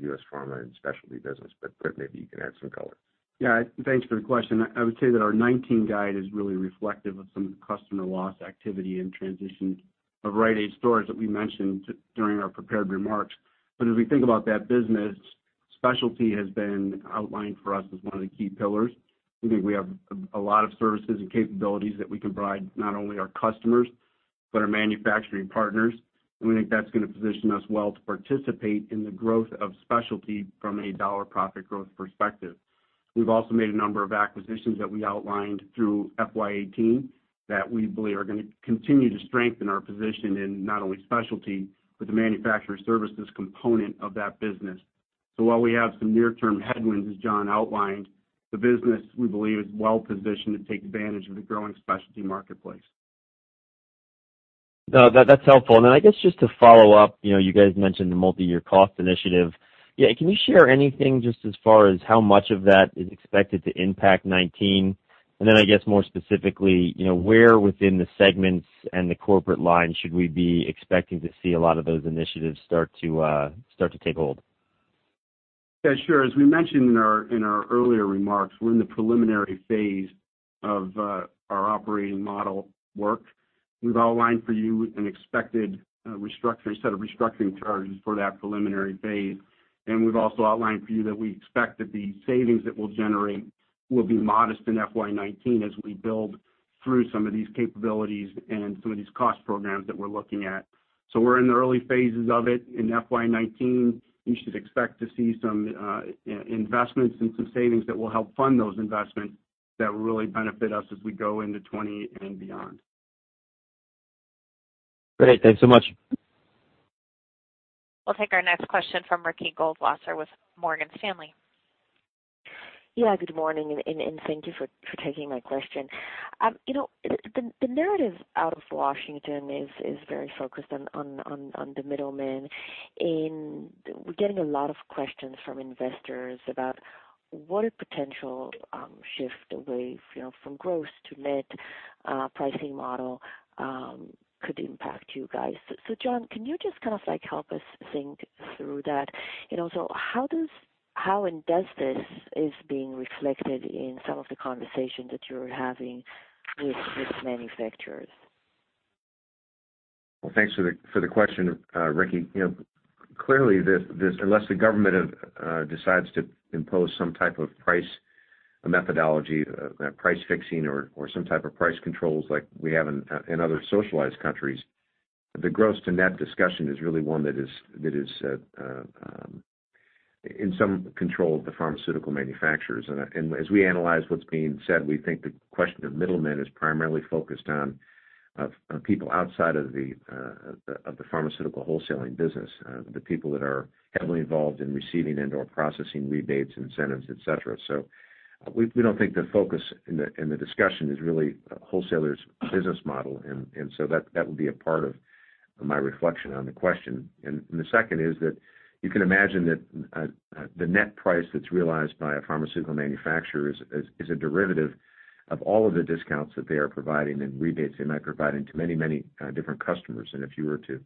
U.S. Pharma and Specialty business. Britt, maybe you can add some color. Yeah. Thanks for the question. I would say that our 2019 guide is really reflective of some customer loss activity and transition of Rite Aid stores that we mentioned during our prepared remarks. As we think about that business, specialty has been outlined for us as one of the key pillars. We think we have a lot of services and capabilities that we can provide not only our customers, but our manufacturing partners, and we think that's going to position us well to participate in the growth of specialty from a dollar profit growth perspective. We've also made a number of acquisitions that we outlined through FY 2018 that we believe are going to continue to strengthen our position in not only specialty, but the manufacturer services component of that business. While we have some near-term headwinds, as John outlined, the business, we believe, is well-positioned to take advantage of the growing specialty marketplace. No, that's helpful. Then I guess just to follow up, you guys mentioned the multi-year cost initiative. Yeah, can you share anything just as far as how much of that is expected to impact 2019? Then I guess more specifically, where within the segments and the corporate line should we be expecting to see a lot of those initiatives start to take hold? Yeah, sure. As we mentioned in our earlier remarks, we're in the preliminary phase of our operating model work. We've outlined for you an expected set of restructuring charges for that preliminary phase, and we've also outlined for you that we expect that the savings that we'll generate will be modest in FY 2019 as we build through some of these capabilities and some of these cost programs that we're looking at. We're in the early phases of it in FY 2019. You should expect to see some investments and some savings that will help fund those investments that will really benefit us as we go into 2020 and beyond. Great. Thanks so much. We'll take our next question from Ricky Goldwasser with Morgan Stanley. Yeah, good morning, and thank you for taking my question. The narrative out of Washington is very focused on the middlemen, and we're getting a lot of questions from investors about what a potential shift away from gross to net pricing model could impact you guys. John, can you just kind of help us think through that? Also, how and does this is being reflected in some of the conversations that you're having with manufacturers? Well, thanks for the question, Ricky. Clearly, unless the government decides to impose some type of price methodology, price fixing or some type of price controls like we have in other socialized countries, the gross to net discussion is really one that is in some control of the pharmaceutical manufacturers. As we analyze what's being said, we think the question of middlemen is primarily focused on people outside of the pharmaceutical wholesaling business, the people that are heavily involved in receiving and/or processing rebates, incentives, et cetera. We don't think the focus in the discussion is really a wholesaler's business model, and so that would be a part of my reflection on the question. The second is that you can imagine that the net price that's realized by a pharmaceutical manufacturer is a derivative of all of the discounts that they are providing and rebates they might be providing to many different customers. If you were to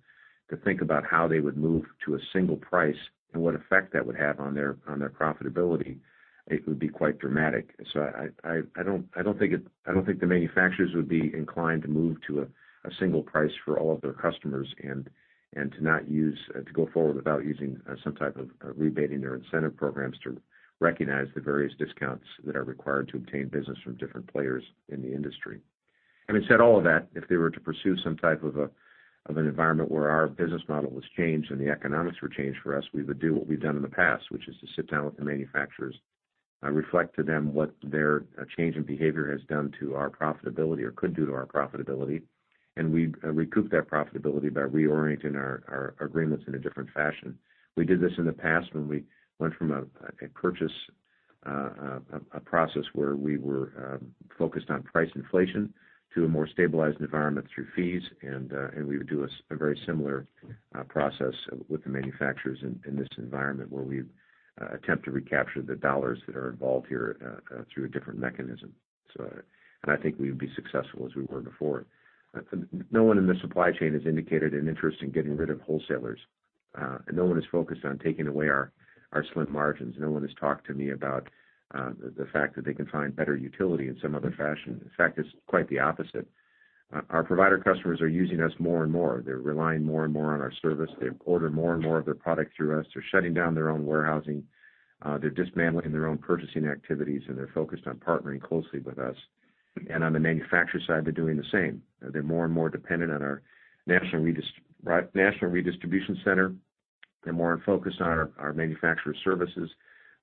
think about how they would move to a single price and what effect that would have on their profitability, it would be quite dramatic. I don't think the manufacturers would be inclined to move to a single price for all of their customers and to go forward without using some type of rebate in their incentive programs to recognize the various discounts that are required to obtain business from different players in the industry. Having said all of that, if they were to pursue some type of an environment where our business model was changed and the economics were changed for us, we would do what we've done in the past, which is to sit down with the manufacturers, reflect to them what their change in behavior has done to our profitability or could do to our profitability, and we recoup that profitability by reorienting our agreements in a different fashion. We did this in the past when we went from a purchase, a process where we were focused on price inflation to a more stabilized environment through fees, and we would do a very similar process with the manufacturers in this environment where we attempt to recapture the dollars that are involved here through a different mechanism. I think we'd be successful as we were before. No one in the supply chain has indicated an interest in getting rid of wholesalers. No one is focused on taking away our slim margins. No one has talked to me about the fact that they can find better utility in some other fashion. In fact, it's quite the opposite. Our provider customers are using us more. They're relying more on our service. They order more of their product through us. They're shutting down their own warehousing. They're dismantling their own purchasing activities, and they're focused on partnering closely with us. On the manufacturer side, they're doing the same. They're more dependent on our national redistribution center. They're more focused on our manufacturer services.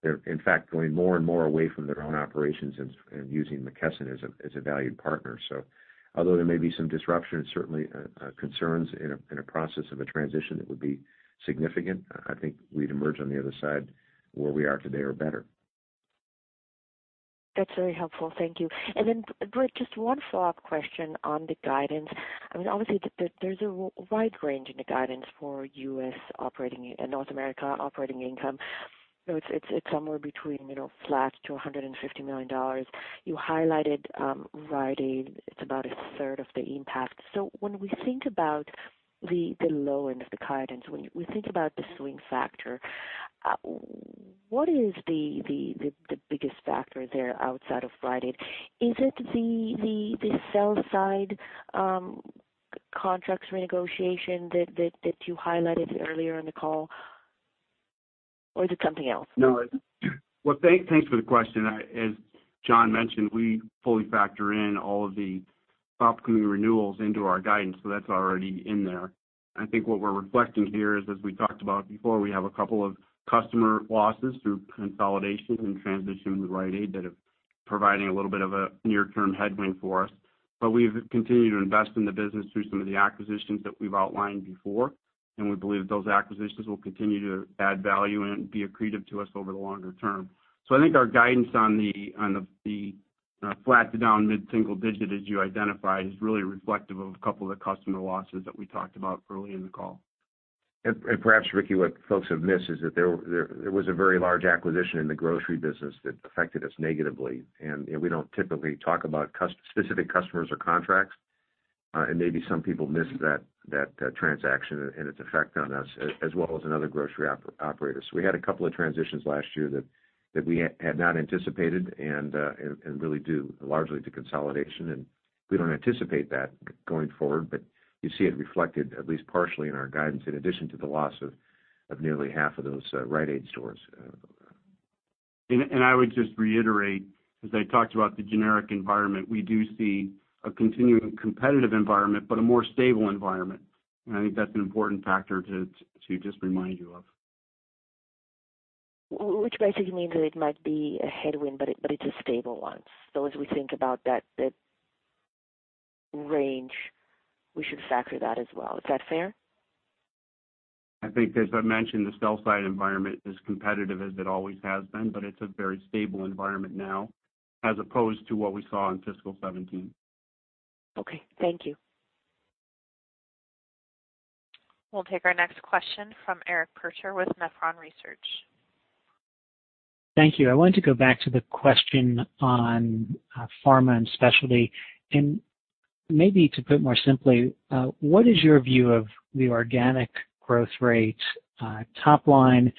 They're, in fact, going more away from their own operations and using McKesson as a valued partner. Although there may be some disruption and certainly concerns in a process of a transition that would be significant, I think we'd emerge on the other side where we are today or better. That's very helpful. Thank you. Britt, just one follow-up question on the guidance. Obviously, there's a wide range in the guidance for North America operating income. It's somewhere between flat to $150 million. You highlighted Rite Aid. It's about a third of the impact. When we think about the low end of the guidance, when we think about the swing factor, what is the biggest factor there outside of Rite Aid? Is it the sell-side contracts renegotiation that you highlighted earlier in the call, or is it something else? Thanks for the question. As John mentioned, we fully factor in all of the upcoming renewals into our guidance, so that's already in there. I think what we're reflecting here is, as we talked about before, we have a couple of customer losses through consolidations and transition with Rite Aid that are providing a little bit of a near-term headwind for us. We've continued to invest in the business through some of the acquisitions that we've outlined before, and we believe that those acquisitions will continue to add value and be accretive to us over the longer term. I think our guidance on the flat to down mid-single digit, as you identified, is really reflective of a couple of the customer losses that we talked about early in the call. Perhaps, Ricky, what folks have missed is that there was a very large acquisition in the grocery business that affected us negatively, and we don't typically talk about specific customers or contracts, and maybe some people missed that transaction and its effect on us, as well as on other grocery operators. We had a couple of transitions last year that we had not anticipated and really due largely to consolidation, and we don't anticipate that going forward. You see it reflected at least partially in our guidance, in addition to the loss of nearly half of those Rite Aid stores. I would just reiterate, as I talked about the generic environment, we do see a continuing competitive environment, but a more stable environment. I think that's an important factor to just remind you of. Which basically means that it might be a headwind, but it's a stable one. As we think about that range, we should factor that as well. Is that fair? I think, as I mentioned, the sell-side environment is competitive, as it always has been, but it's a very stable environment now as opposed to what we saw in fiscal 2017. Okay. Thank you. We'll take our next question from Eric Percher with Nephron Research. Thank you. I wanted to go back to the question on pharma and specialty. Maybe to put it more simply, what is your view of the organic growth rate top line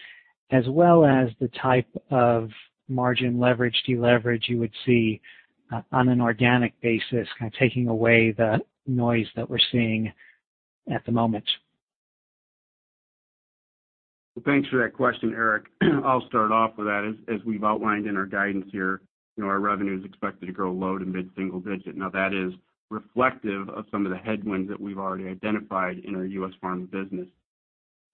as well as the type of margin leverage, de-leverage you would see on an organic basis, taking away the noise that we're seeing at the moment? Thanks for that question, Eric. I'll start off with that. As we've outlined in our guidance here, our revenue is expected to grow low to mid-single digit. Now, that is reflective of some of the headwinds that we've already identified in our U.S. pharma business.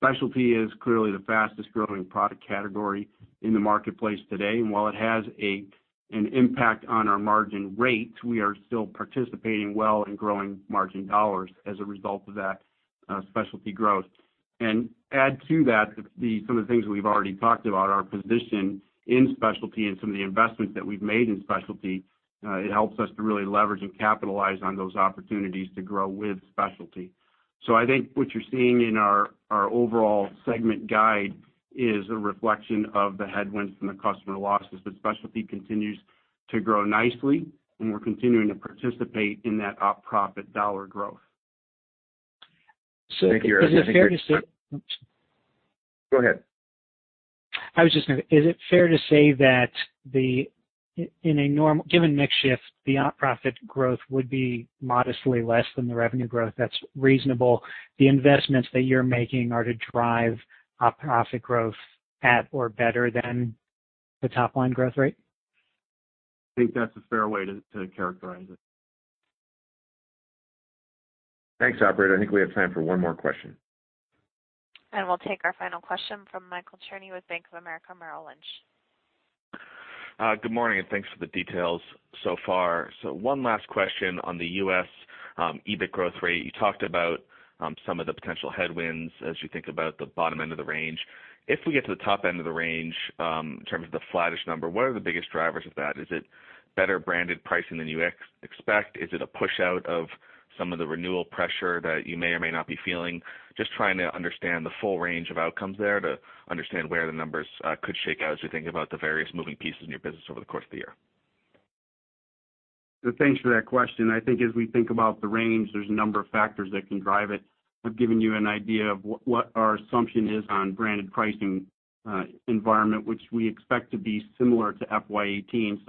Specialty is clearly the fastest-growing product category in the marketplace today, and while it has an impact on our margin rates, we are still participating well in growing margin dollars as a result of that specialty growth. Add to that some of the things we've already talked about, our position in specialty and some of the investments that we've made in specialty, it helps us to really leverage and capitalize on those opportunities to grow with specialty. I think what you're seeing in our overall segment guide is a reflection of the headwinds from the customer losses, but specialty continues to grow nicely, and we're continuing to participate in that op profit dollar growth. Thank you, Eric. I think Is it fair to say? Oops. Go ahead. Is it fair to say that given mix shift, the op profit growth would be modestly less than the revenue growth that's reasonable? The investments that you're making are to drive op profit growth at or better than the top-line growth rate? I think that's a fair way to characterize it. Thanks, operator. I think we have time for one more question. We'll take our final question from Michael Cherny with Bank of America Merrill Lynch. Good morning, thanks for the details so far. One last question on the U.S. EBIT growth rate. You talked about some of the potential headwinds as you think about the bottom end of the range. If we get to the top end of the range, in terms of the flattish number, what are the biggest drivers of that? Is it better branded pricing than you expect? Is it a push out of some of the renewal pressure that you may or may not be feeling? Just trying to understand the full range of outcomes there to understand where the numbers could shake out as we think about the various moving pieces in your business over the course of the year. Thanks for that question. I think as we think about the range, there's a number of factors that can drive it. I've given you an idea of what our assumption is on branded pricing environment, which we expect to be similar to FY 2018.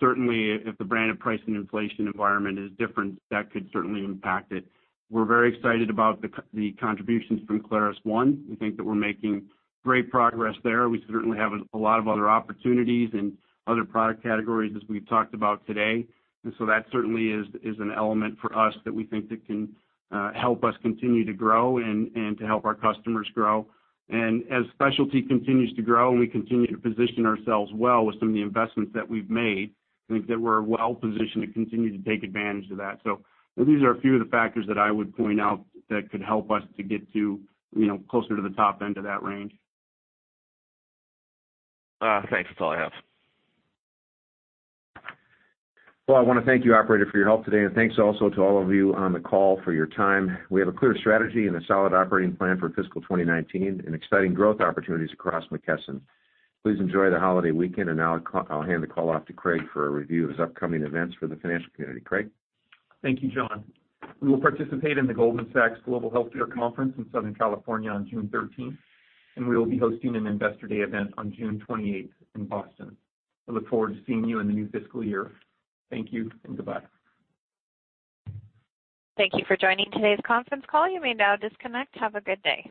Certainly, if the branded pricing inflation environment is different, that could certainly impact it. We're very excited about the contributions from ClarusONE. We think that we're making great progress there. We certainly have a lot of other opportunities and other product categories as we've talked about today, that certainly is an element for us that we think can help us continue to grow and to help our customers grow. As specialty continues to grow and we continue to position ourselves well with some of the investments that we've made, I think that we're well-positioned to continue to take advantage of that. These are a few of the factors that I would point out that could help us to get closer to the top end of that range. Thanks. That's all I have. I want to thank you, operator, for your help today, and thanks also to all of you on the call for your time. We have a clear strategy and a solid operating plan for fiscal 2019 and exciting growth opportunities across McKesson. Please enjoy the holiday weekend, I'll hand the call off to Craig for a review of his upcoming events for the financial community. Craig? Thank you, John. We will participate in the Goldman Sachs Global Healthcare Conference in Southern California on June 13th, and we will be hosting an Investor Day event on June 28th in Boston. I look forward to seeing you in the new fiscal year. Thank you and goodbye. Thank you for joining today's conference call. You may now disconnect. Have a good day.